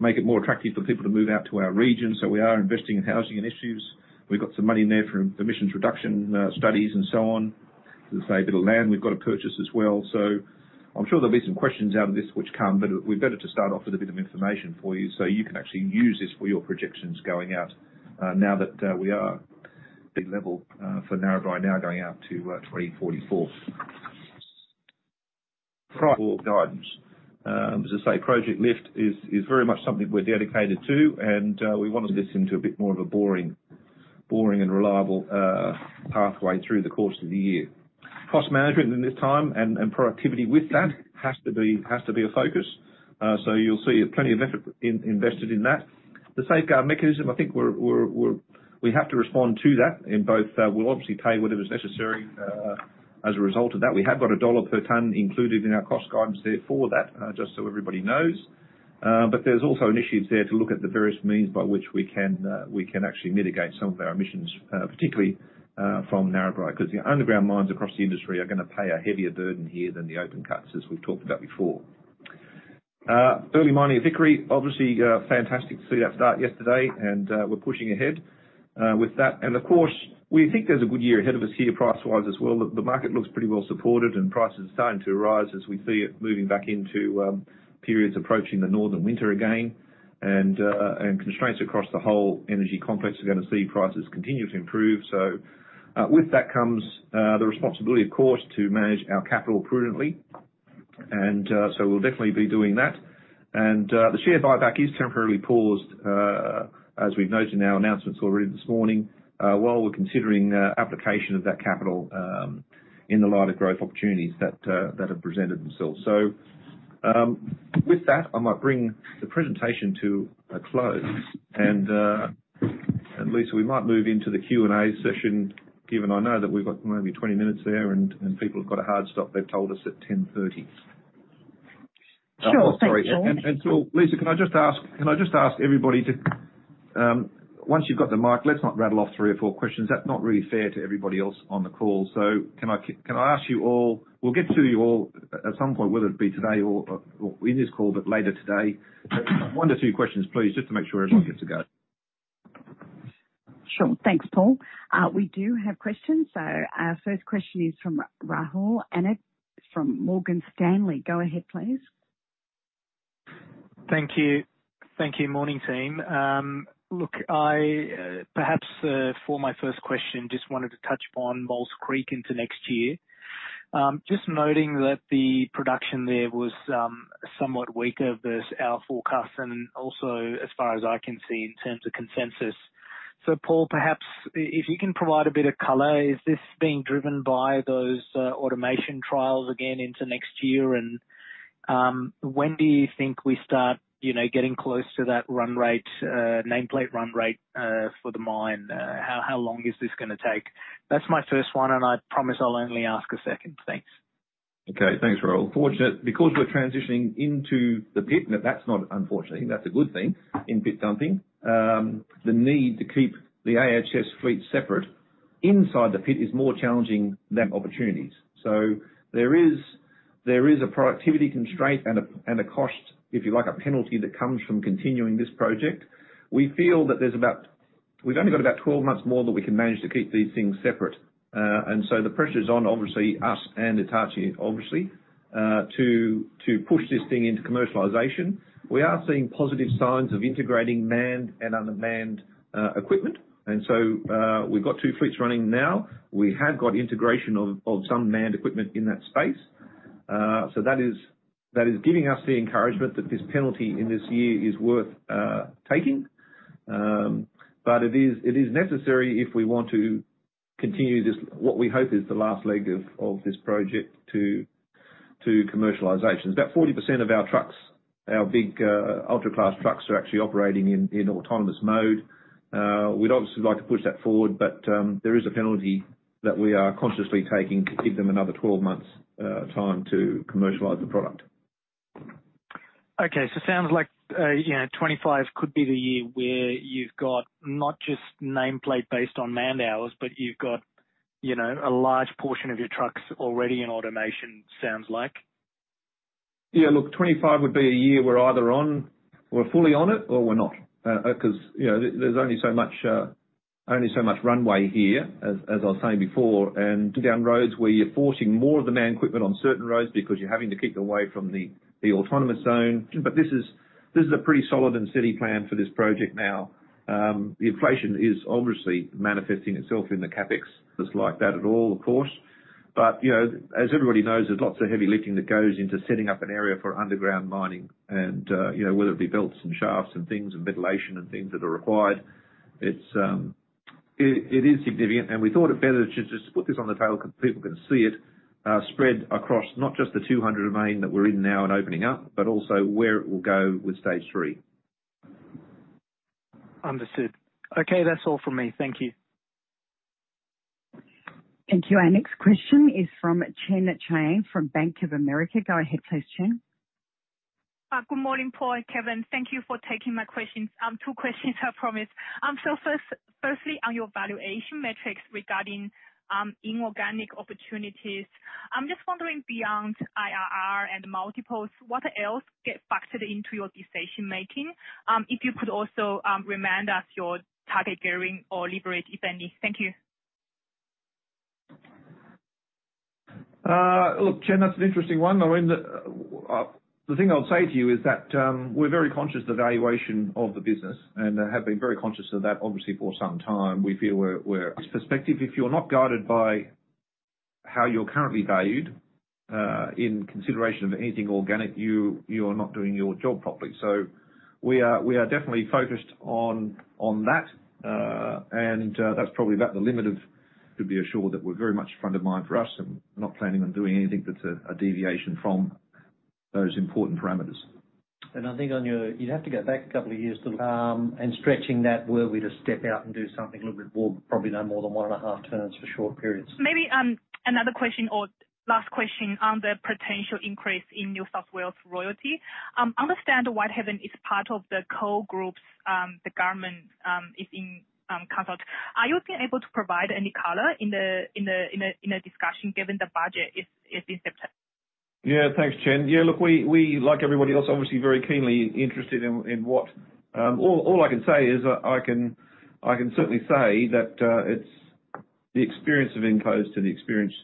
make it more attractive for people to move out to our region, so we are investing in housing initiatives. We've got some money in there for emissions reduction, studies and so on. As I say, a bit of land we've got to purchase as well. I'm sure there'll be some questions out of this which come. We better just start off with a bit of information for you, so you can actually use this for your projections going out, now that we are big level for Narrabri now going out to 2044. Guidance. As I say, Project Lift is, is very much something we're dedicated to. We want to get this into a bit more of a boring, boring, and reliable pathway through the course of the year. Cost management in this time and productivity with that has to be a focus. You'll see plenty of effort invested in that. The Safeguard Mechanism, I think we have to respond to that in both. We'll obviously pay whether it's necessary as a result of that. We have got AUD one per ton included in our cost guidance there for that, just so everybody knows. There's also initiatives there to look at the various means by which we can, we can actually mitigate some of our emissions, particularly, from Narrabri, because the underground mines across the industry are gonna pay a heavier burden here than the open cuts, as we've talked about before. Early mining at Vickery, obviously, fantastic to see that start yesterday, and we're pushing ahead with that. Of course, we think there's a good year ahead of us here, price-wise as well. The market looks pretty well supported, and prices are starting to rise as we see it moving back into periods approaching the northern winter again. And constraints across the whole energy complex are gonna see prices continue to improve. With that comes the responsibility, of course, to manage our capital prudently. So we'll definitely be doing that. The share buyback is temporarily paused, as we've noted in our announcements already this morning, while we're considering application of that capital in the light of growth opportunities that have presented themselves. With that, I might bring the presentation to a close. Lisa, we might move into the Q&A session, given I know that we've got maybe 20 minutes there, and people have got a hard stop, they've told us, at 10:30 A.M. Sure. Thanks, Paul. Sorry, Lisa, can I just ask, can I just ask everybody to, once you've got the mic, let's not rattle off three or four questions. That's not really fair to everybody else on the call. Can I ask you all, we'll get to you all at some point, whether it be today or in this call, but later today. One to two questions, please, just to make sure everyone gets a go. Sure. Thanks, Paul. We do have questions. Our first question is from Rahul Anand from Morgan Stanley. Go ahead, please. Thank you. Thank you. Morning, team. Perhaps for my first question, just wanted to touch upon Maules Creek into next year. Just noting that the production there was somewhat weaker versus our forecast, and also, as far as I can see, in terms of consensus. Paul, perhaps if you can provide a bit of color, is this being driven by those automation trials again into next year? When do you think we start, you know, getting close to that run rate, nameplate run rate for the mine? How, how long is this gonna take? That's my first one, and I promise I'll only ask a second. Thanks. Okay, thanks, Rahul. Unfortunately, because we're transitioning into the pit, now that's not unfortunately, I think that's a good thing in pit dumping. The need to keep the AHS fleet separate inside the pit is more challenging than opportunities. There is, there is a productivity constraint and a, and a cost, if you like, a penalty that comes from continuing this project. We feel that there's about We've only got about 12 months more that we can manage to keep these things separate. The pressure is on, obviously, us and Hitachi, obviously, to, to push this thing into commercialization. We are seeing positive signs of integrating manned and unmanned equipment, and so, we've got 2 fleets running now. We have got integration of, of some manned equipment in that space. That is, that is giving us the encouragement that this penalty in this year is worth taking. It is, it is necessary if we want to continue this, what we hope is the last leg of this project to commercialization. About 40% of our trucks, our big, ultra-class trucks, are actually operating in autonomous mode. We'd obviously like to push that forward, but there is a penalty that we are consciously taking to give them another 12 months time to commercialize the product. Okay. Sounds like, you know, 25 could be the year where you've got not just nameplate based on man-hours, but you've got, you know, a large portion of your trucks already in automation, sounds like? Yeah, look, 25 would be a year we're either on, we're fully on it or we're not. 'cause, you know, there's only so much, only so much runway here, as, as I was saying before, and down roads where you're forcing more of the manned equipment on certain roads because you're having to keep them away from the, the autonomous zone. This is, this is a pretty solid and steady plan for this project now. The inflation is obviously manifesting itself in the CapEx. Just like that at all, of course, but, you know, as everybody knows, there's lots of heavy lifting that goes into setting up an area for underground mining. You know, whether it be builds and shafts and things and ventilation and things that are required, it's, it is significant, and we thought it better to just put this on the table so people can see it, spread across not just the 200 domain that we're in now and opening up, but also where it will go with Stage 3. Understood. Okay, that's all for me. Thank you. Thank you. Our next question is from Chen Jiang, from Bank of America. Go ahead please, Chen. Good morning, Paul and Kevin. Thank you for taking my questions. Two questions I promise. Firstly, on your valuation metrics regarding inorganic opportunities, I'm just wondering, beyond IRR and multiples, what else get factored into your decision-making? If you could also remind us your target gearing or leverage, if any? Thank you. Look, Chen, that's an interesting one. I mean, the thing I would say to you is that, we're very conscious of the valuation of the business, and have been very conscious of that, obviously, for some time. We feel we're, we're perspective. If you're not guided by how you're currently valued, in consideration of anything organic, you, you are not doing your job properly. We are, we are definitely focused on, on that, and, that's probably about the limit to be assured that we're very much front of mind for us, and we're not planning on doing anything that's a, a deviation from those important parameters. I think you'd have to go back a couple of years to, and stretching that, where we just step out and do something a little bit more, probably no more than 1.5 turns for short periods. Maybe, another question or last question on the potential increase in New South Wales royalty. I understand the Whitehaven is part of the coal groups, the government, is in, consult. Are you able to provide any color in the, in the, in the, in a discussion, given the budget is in September? Yeah. Thanks, Chen Jiang. Yeah, look, we, we, like everybody else, obviously very keenly interested in, in what... All, all I can say is I, I can, I can certainly say that it's the experience of being close to the experience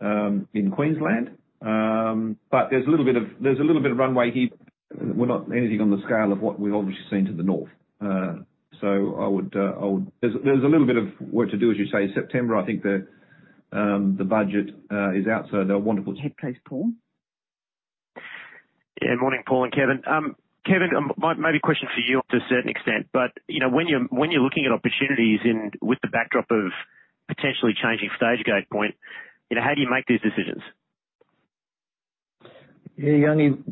in Queensland. But there's a little bit of, there's a little bit of runway here. We're not anything on the scale of what we've obviously seen to the north. So I would, I would-- There's, there's a little bit of work to do, as you say, September, I think the budget is out, so they'll want to put- Thanks, Paul. Yeah, morning, Paul and Kevin. Kevin, maybe a question for you to a certain extent, but, you know, when you're, when you're looking at opportunities in, with the backdrop of potentially changing Stage-Gate point, you know, how do you make these decisions? Yeah, Youngy,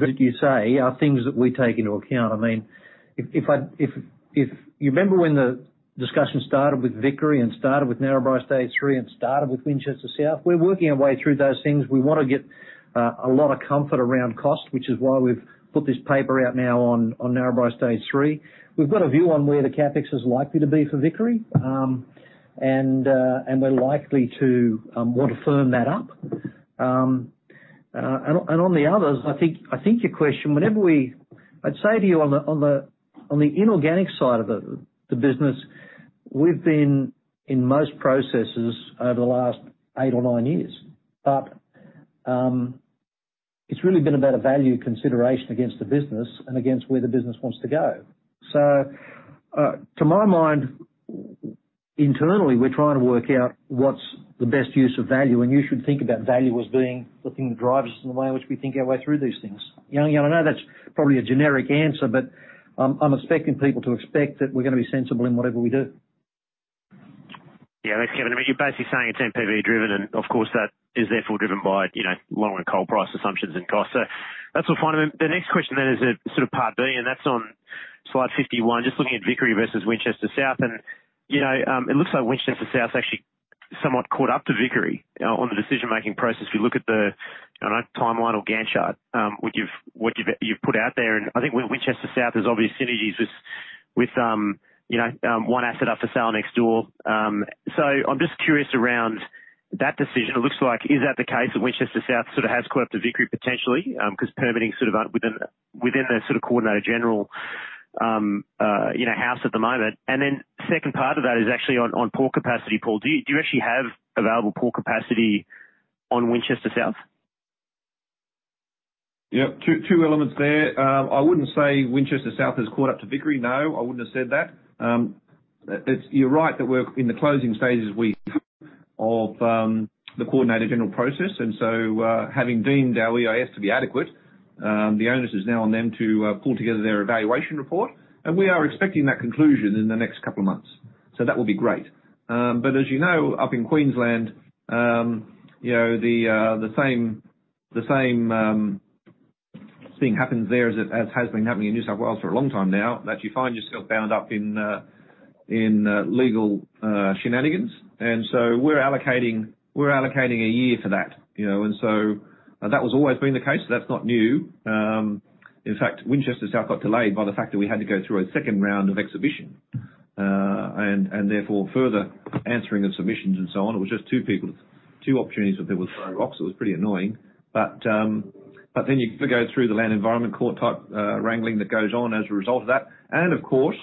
as you say, are things that we take into account. I mean, if, if I, if, if you remember when the discussion started with Vickery and started with Narrabri Stage 3 and started with Winchester South, we're working our way through those things. We want to get a lot of comfort around cost, which is why we've put this paper out now on Narrabri Stage 3. We've got a view on where the CapEx is likely to be for Vickery, and we're likely to want to firm that up. On the others, I think, I think your question, whenever we-- I'd say to you on the, on the, on the inorganic side of the, the business, we've been in most processes over the last eight or nine years. It's really been about a value consideration against the business and against where the business wants to go. To my mind, internally, we're trying to work out what's the best use of value, and you should think about value as being the thing that drives us in the way in which we think our way through these things. Youngy, I know that's probably a generic answer, but I'm expecting people to expect that we're going to be sensible in whatever we do. Yeah, thanks, Kevin. I mean, you're basically saying it's NPV driven, and of course, that is therefore driven by, you know, long run coal price assumptions and costs. That's all fine. The next question then is a sort of part B, and that's on slide 51. Just looking at Vickery versus Winchester South, and, you know, it looks like Winchester South is actually somewhat caught up to Vickery on the decision-making process. If you look at the, I don't know, timeline or Gantt chart, what you've, what you've, you've put out there, and I think Winchester South has obvious synergies with, with, you know, one asset up for sale next door. I'm just curious around that decision. It looks like, is that the case, that Winchester South sort of has caught up to Vickery potentially? Because permitting sort of within, within the sort of Coordinator-General, you know, house at the moment. And then second part of that is actually on, on port capacity, Paul. Do you, do you actually have available port capacity on Winchester South? Yep. Two, two elements there. I wouldn't say Winchester South has caught up to Vickery. No, I wouldn't have said that. It's you're right that we're in the closing stages, week, of the Coordinator-General process, and so, having deemed our EIS to be adequate, the onus is now on them to pull together their evaluation report, and we are expecting that conclusion in the next 2 months, so that will be great. As you know, up in Queensland, you know, the, the same, the same thing happens there as, as has been happening in New South Wales for a long time now, that you find yourself bound up in legal shenanigans. We're allocating, we're allocating a year for that, you know, and so that was always been the case, so that's not new. In fact, Winchester South got delayed by the fact that we had to go through a second round of exhibition. Therefore, further answering of submissions and so on. It was just two people, two opportunities for people to throw rocks. It was pretty annoying. Then you go through the Land and Environment Court type wrangling that goes on as a result of that. Of course,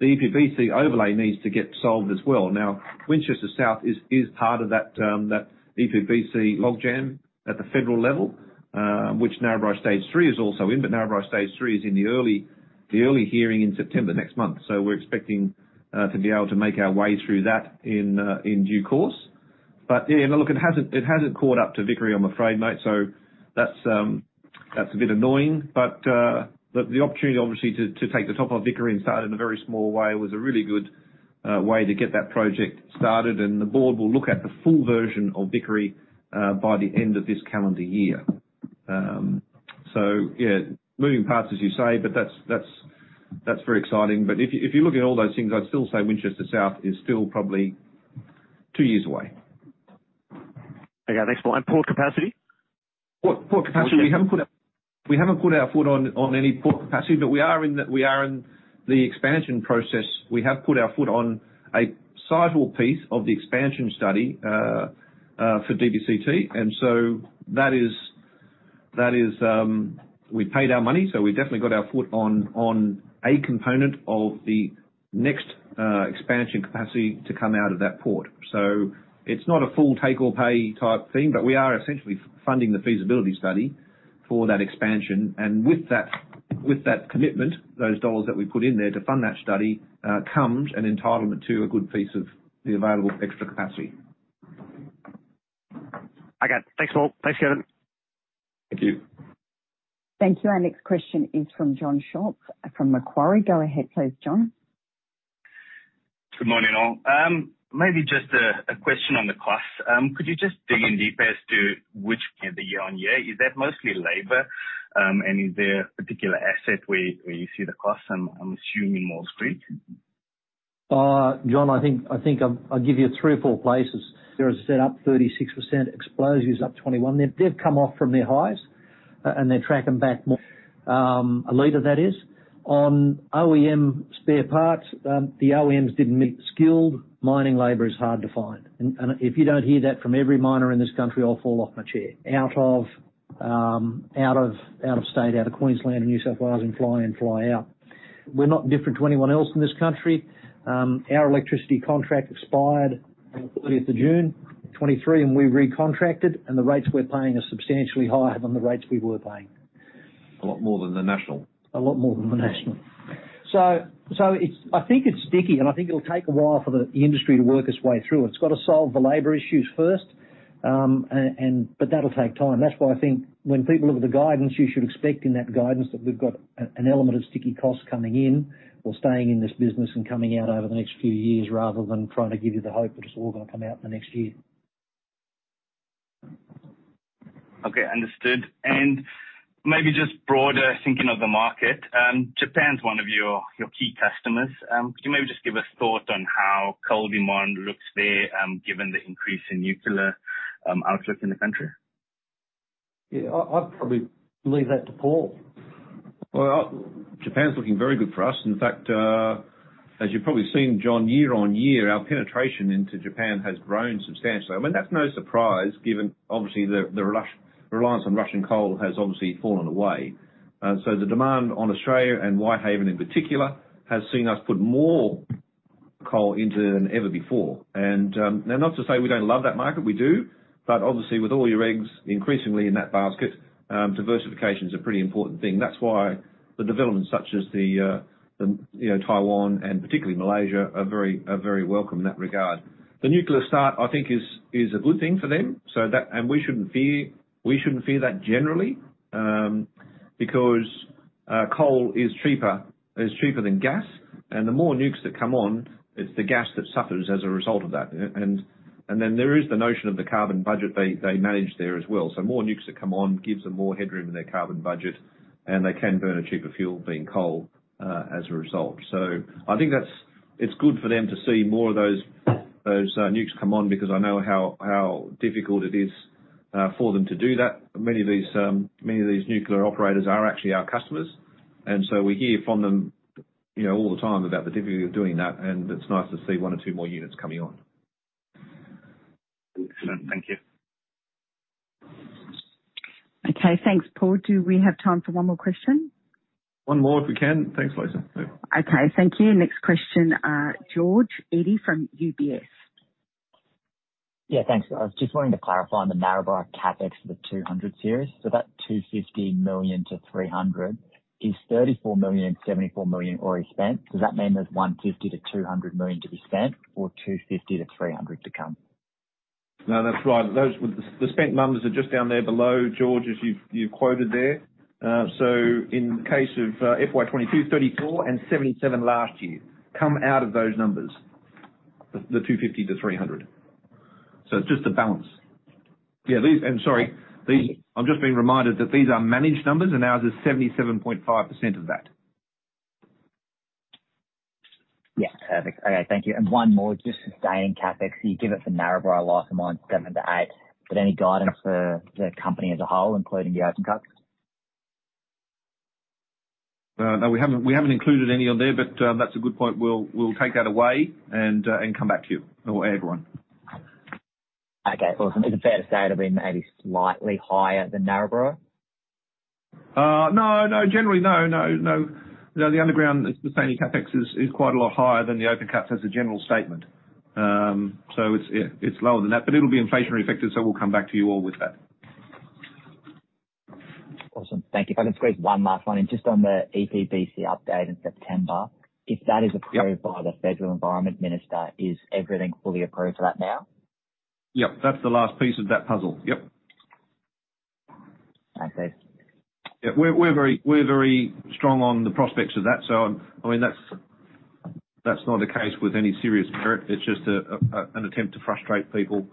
the EPBC overlay needs to get solved as well. Now, Winchester South is, is part of that, that EPBC logjam at the federal level, which Narrabri Stage 3 is also in, but Narrabri Stage 3 is in the early, the early hearing in September next month. we're expecting to be able to make our way through that in due course. yeah, look, it hasn't, it hasn't caught up to Vickery, I'm afraid, mate. that's a bit annoying, but the opportunity obviously to take the top of Vickery and start in a very small way was a really good way to get that project started, and the board will look at the full version of Vickery by the end of this calendar year. yeah, moving parts, as you say, but that's, that's, that's very exciting. if you, if you look at all those things, I'd still say Winchester South is still probably two years away. Okay, thanks, Paul. port capacity? Port, port capacity, we haven't put our foot on any port capacity, but we are in the, we are in the expansion process. We have put our foot on a sizable piece of the expansion study for DBCT, that is, that is. We paid our money, so we definitely got our foot on a component of the next expansion capacity to come out of that port. It's not a full take or pay type thing, but we are essentially funding the feasibility study for that expansion. With that, with that commitment, those dollars that we put in there to fund that study, comes an entitlement to a good piece of the available extra capacity. Okay. Thanks, Paul. Thanks, Kevin. Thank you. Thank you. Our next question is from John Schultz from Macquarie. Go ahead, please, John. Good morning, all. Maybe just a, a question on the costs. Could you just dig in deeper as to which year, the year on year, is that mostly labor? Is there a particular asset where, where you see the costs? I'm assuming Maules Creek John, I think, I think I'll, I'll give you three or four places. There is set up 36%, explosives up 21. They've, they've come off from their highs, and they're tracking back more. A leader that is. On OEM spare parts, the OEMs didn't meet skilled mining labor is hard to find. If you don't hear that from every miner in this country, I'll fall off my chair. Out of, out of, out of state, out of Queensland and New South Wales and fly in, fly out. We're not different to anyone else in this country. Our electricity contract expired on the thirtieth of June 2023, and we recontracted, and the rates we're paying are substantially higher than the rates we were paying. A lot more than the national? A lot more than the national. It's I think it's sticky, and I think it'll take a while for the industry to work its way through. It's got to solve the labor issues first, and but that'll take time. That's why I think when people look at the guidance, you should expect in that guidance that we've got an element of sticky costs coming in or staying in this business and coming out over the next few years, rather than trying to give you the hope that it's all going to come out in the next year. Okay, understood. Maybe just broader thinking of the market. Japan's one of your, your key customers. Could you maybe just give us thought on how coal demand looks there, given the increase in nuclear, outlook in the country? Yeah, I, I'd probably leave that to Paul. Well, Japan's looking very good for us. In fact, as you've probably seen, John, year-on-year, our penetration into Japan has grown substantially. I mean, that's no surprise given obviously, the, the rush, reliance on Russian coal has obviously fallen away. The demand on Australia and Whitehaven, in particular, has seen us put more coal into it than ever before. Now, not to say we don't love that market, we do. Obviously, with all your eggs increasingly in that basket, diversification is a pretty important thing. That's why the developments such as the, the, you know, Taiwan and particularly Malaysia, are very, are very welcome in that regard. The nuclear start, I think is, is a good thing for them. So that. We shouldn't fear, we shouldn't fear that generally, because coal is cheaper, is cheaper than gas, and the more nukes that come on, it's the gas that suffers as a result of that. Then there is the notion of the carbon budget they, they manage there as well. More nukes that come on, gives them more headroom in their carbon budget, and they can burn a cheaper fuel, being coal, as a result. I think that's it's good for them to see more of those, those nukes come on, because I know how, how difficult it is for them to do that. Many of these, many of these nuclear operators are actually our customers, and so we hear from them, you know, all the time about the difficulty of doing that, and it's nice to see one or two more units coming on. Thank you. Okay, thanks, Paul. Do we have time for one more question? One more, if we can. Thanks, Lisa. Okay, thank you. Next question, George Eadie from UBS. Yeah, thanks. I was just wanting to clarify on the Narrabri CapEx for the 200 Series. That 250 million-300 million, is 34 million, 74 million already spent? Does that mean there's 150 million-200 million to be spent, or 250 million-300 million to come? No, that's right. The spent numbers are just down there below, George, as you've, you've quoted there. In the case of FY22, 34 and 77 last year, come out of those numbers, the 250-300. It's just a balance. I've just been reminded that these are managed numbers, and ours is 77.5% of that. Yeah. Perfect. Okay, thank you. One more, just sustaining CapEx. You give it for Narrabri last month, 7-8, but any guidance for the company as a whole, including the open cuts? No, we haven't, we haven't included any on there, but, that's a good point. We'll, we'll take that away and, and come back to you or everyone. Okay, awesome. Is it fair to say it'll be maybe slightly higher than Narrabri? No, no. Generally, no, no, no. The underground sustaining CapEx is quite a lot higher than the open cuts as a general statement. It's lower than that, but it'll be inflationary effective, so we'll come back to you all with that. Awesome. Thank you. If I can squeeze one last one, just on the EPBC update in September, if that is approved... Yep by the federal environment minister, is everything fully approved for that now? Yep, that's the last piece of that puzzle. Yep. Okay. Yeah, we're, we're very, we're very strong on the prospects of that. I mean, that's, that's not a case with any serious merit. It's just a, a, an attempt to frustrate people.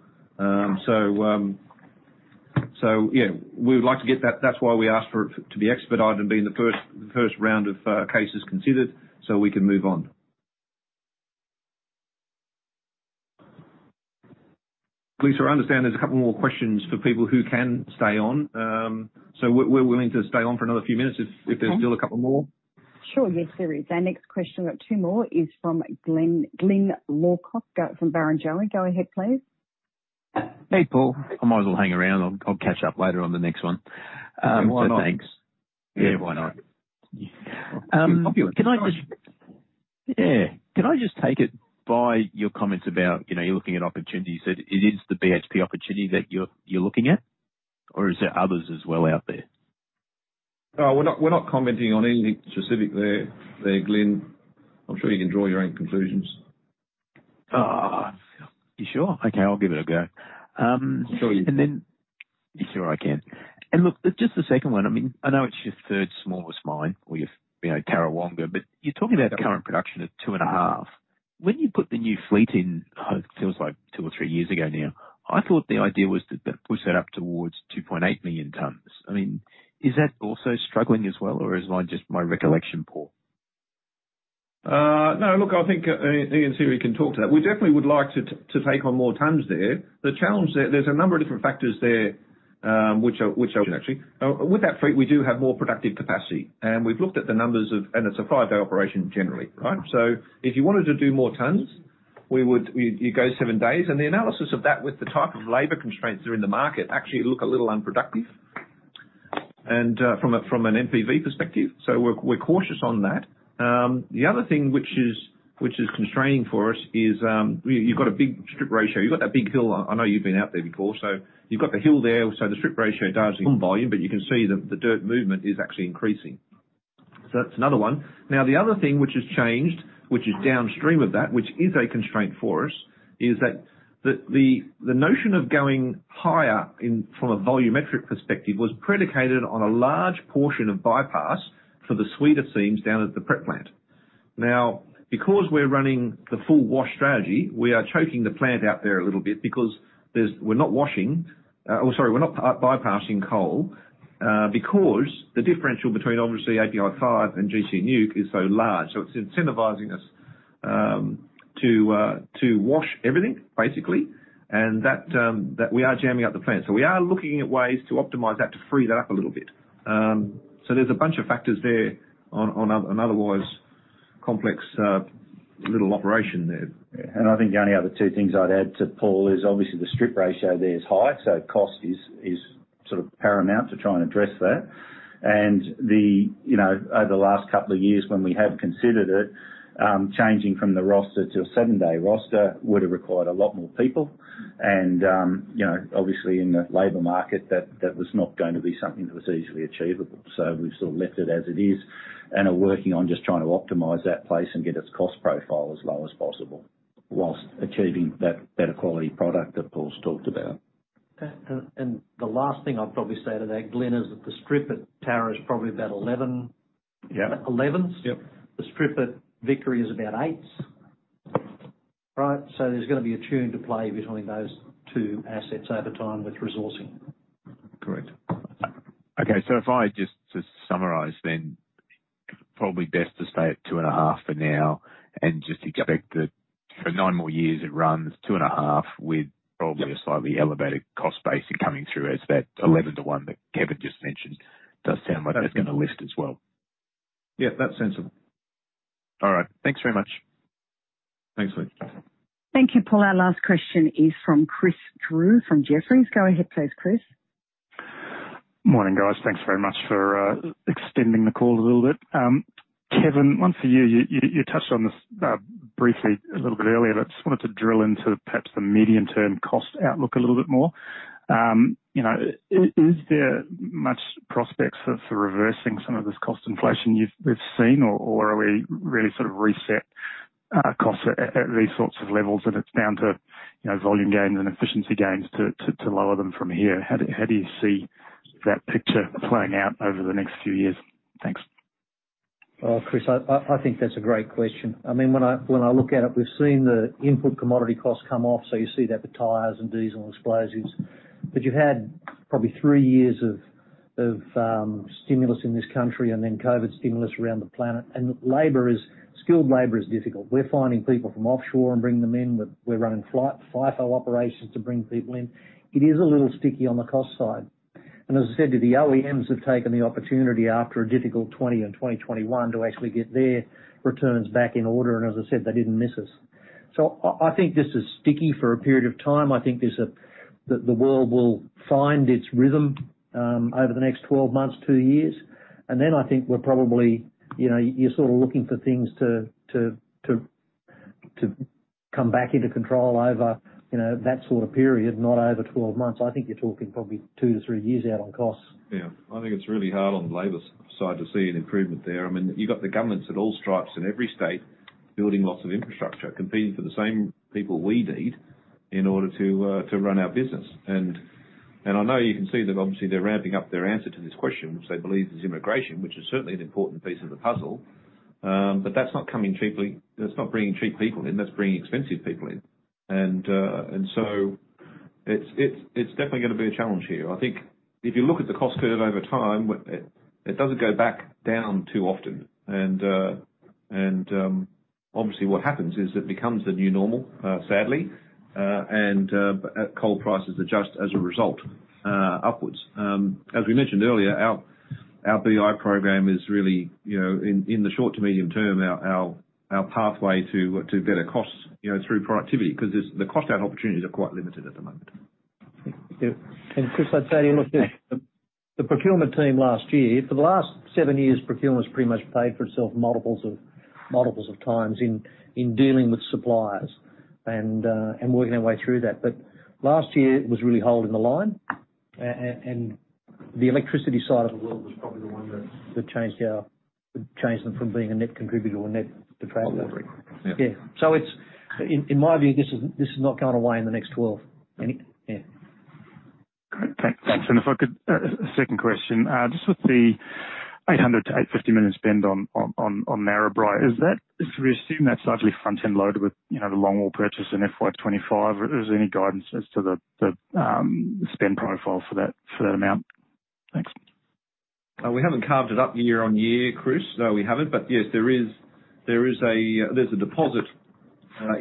Yeah, we would like to get that. That's why we asked for it to be expedited and be in the first, the first round of cases considered, so we can move on. Lisa, I understand there's a couple more questions for people who can stay on. We're, we're willing to stay on for another few minutes if- Okay. if there's still a couple more. Sure. Yes, there is. Our next question, I've got two more, is from Glyn Lawcock, from Barrenjoey. Go ahead, please. Hey, Paul, I might as well hang around. I'll, I'll catch up later on the next one. Thanks. Yeah, why not? Yeah, why not? Can I just take it by your comments about, you know, you're looking at opportunities, that it is the BHP opportunity that you're, you're looking at? Is there others as well out there? We're not, we're not commenting on anything specific there, there, Glyn. I'm sure you can draw your own conclusions. Ah, you sure? Okay, I'll give it a go. Sure. You sure I can. Look, just the second one. I mean, I know it's your third smallest mine or your, you know, Tarrawonga, but you're talking about current production of 2.5. When you put the new fleet in, it feels like two or three years ago now, I thought the idea was to, to push that up towards 2.8 million tons. I mean, is that also struggling as well, or is my just my recollection poor? No, look, I think Ian, Ian Humphris can talk to that. We definitely would like to, to take on more tons there. The challenge there, there's a number of different factors there, which are, which are actually. With that fleet, we do have more productive capacity, and we've looked at the numbers of and it's a five day operation generally, right? If you wanted to do more tons, we would you, you go seven days, and the analysis of that with the type of labor constraints that are in the market, actually look a little unproductive, and from a, from an NPV perspective, so we're, we're cautious on that. The other thing which is, which is constraining for us is, you've got a big strip ratio. You've got that big hill. I, I know you've been out there before, so you've got the hill there. The strip ratio down volume, but you can see that the dirt movement is actually increasing. That's another one. The other thing which has changed, which is downstream of that, which is a constraint for us, is that the, the, the notion of going higher in from a volumetric perspective was predicated on a large portion of bypass for the suite of seams down at the prep plant. Because we're running the full wash strategy, we are choking the plant out there a little bit because there's we're not washing, or sorry, we're not bypassing coal, because the differential between obviously API five and gC Newc is so large. it's incentivizing us to wash everything, basically, and that we are jamming up the plant. We are looking at ways to optimize that, to free that up a little bit. There's a bunch of factors there on, on, an otherwise complex little operation there. I think the only other two things I'd add to, Paul, is obviously the strip ratio there is high, so cost is, is sort of paramount to try and address that. The, you know, over the last couple of years, when we have considered it, changing from the roster to a seven-day roster would have required a lot more people. You know, obviously in the labor market, that, that was not going to be something that was easily achievable. We've sort of left it as it is and are working on just trying to optimize that place and get its cost profile as low as possible, whilst achieving that better quality product that Paul's talked about. The last thing I'd probably say to that, Glyn, is that the strip at Tarrawonga is probably about 11. Yeah. Eleven? Yep. The strip at Vickery is about eight. Right? There's going to be a tune to play between those two assets over time with resourcing. Correct. Okay, so if I just to summarize then, probably best to stay at 2.5 for now and just expect that for 9 more years, it runs 2.5 with probably a slightly elevated cost base coming through as that 11 to 1 that Kevin just mentioned. Does sound like that's going to lift as well. Yeah, that's sensible. All right. Thanks very much. Thanks, Lee. Thank you, Paul. Our last question is from Chris Drew, from Jefferies. Go ahead, please, Chris. Morning, guys. Thanks very much for extending the call a little bit. Kevin, one for you. You, you, you touched on this briefly a little bit earlier, but just wanted to drill into perhaps the medium-term cost outlook a little bit more. You know, is there much prospects for, for reversing some of this cost inflation you've, we've seen, or, or are we really sort of reset costs at, at these sorts of levels, and it's down to, you know, volume gains and efficiency gains to, to, to lower them from here? How do, how do you see that picture playing out over the next few years? Thanks. Well, Chris, I think that's a great question. I mean, when I look at it, we've seen the input commodity costs come off, you see that the tires and diesel and explosives. You've had probably 3 years of stimulus in this country and then COVID stimulus around the planet, and skilled labor is difficult. We're finding people from offshore and bringing them in, we're running flight, FIFO operations to bring people in. It is a little sticky on the cost side. As I said to the OEMs, have taken the opportunity after a difficult 2020 and 2021 to actually get their returns back in order, and as I said, they didn't miss us. I think this is sticky for a period of time. I think there's the world will find its rhythm over the next 12 months, two years, and then I think we're probably, you know, you're sort of looking for things to come back into control over, you know, that sort of period, not over 12 months. I think you're talking probably two-three years out on costs. Yeah. I think it's really hard on the labor side to see an improvement there. I mean, you've got the governments at all stripes in every state, building lots of infrastructure, competing for the same people we need in order to run our business. I know you can see that obviously, they're ramping up their answer to this question, which they believe is immigration, which is certainly an important piece of the puzzle. But that's not coming cheaply. That's not bringing cheap people in, that's bringing expensive people in. So it's, it's, it's definitely going to be a challenge here. I think if you look at the cost curve over time, it, it doesn't go back down too often. Obviously, what happens is it becomes the new normal, sadly, coal prices adjust as a result, upwards. As we mentioned earlier, our BI program is really, you know, in, in the short to medium term, our, our, our pathway to, to better costs, you know, through productivity, because there's the cost out opportunities are quite limited at the moment. Thank you. Chris, I'd say, look, the, the procurement team last year, for the last seven years, procurement has pretty much paid for itself multiples of, multiples of times in, in dealing with suppliers and, and working our way through that. Last year it was really holding the line. The electricity side of the world was probably the one that, that changed changed them from being a net contributor or net detractor. Yeah. Yeah. It's, in my view, this is not going away in the next 12. Yeah. Great. Thanks. Thanks. If I could, a second question. Just with the 800 million-850 million spend on, on, on, on Narrabri, is that... If we assume that's slightly front-end loaded with, you know, the longwall purchase in FY25, is there any guidance as to the, the spend profile for that, for that amount? Thanks. We haven't carved it up year-on-year, Chris. No, we haven't. Yes, there is, there is a. There's a deposit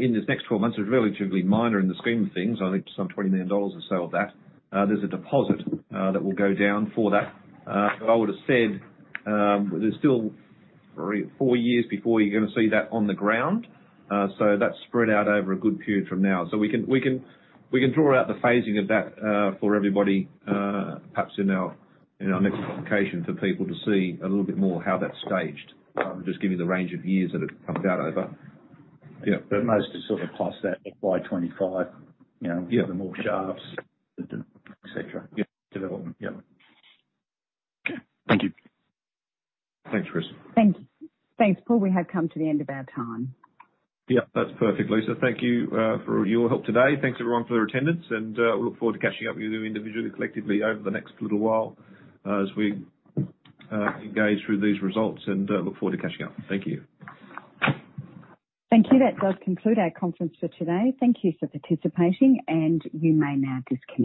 in the next 12 months. It's relatively minor in the scheme of things. I think some 20 million dollars or so of that. There's a deposit that will go down for that. I would have said, there's still three, four years before you're going to see that on the ground. That's spread out over a good period from now. We can, we can, we can draw out the phasing of that for everybody, perhaps in our, in our next communication for people to see a little bit more how that's staged. Just give you the range of years that it comes out over. Yeah. most are sort of past that by 25, you know? The more shafts, et cetera. Yeah. Development. Yeah. Okay. Thank you. Thanks, Chris. Thank you. Thanks, Paul. We have come to the end of our time. Yeah, that's perfect, Lisa. Thank you for your help today. Thanks, everyone, for their attendance, and we look forward to catching up with you individually, collectively over the next little while, as we engage with these results and look forward to catching up. Thank you. Thank you. That does conclude our conference for today. Thank you for participating. You may now disconnect.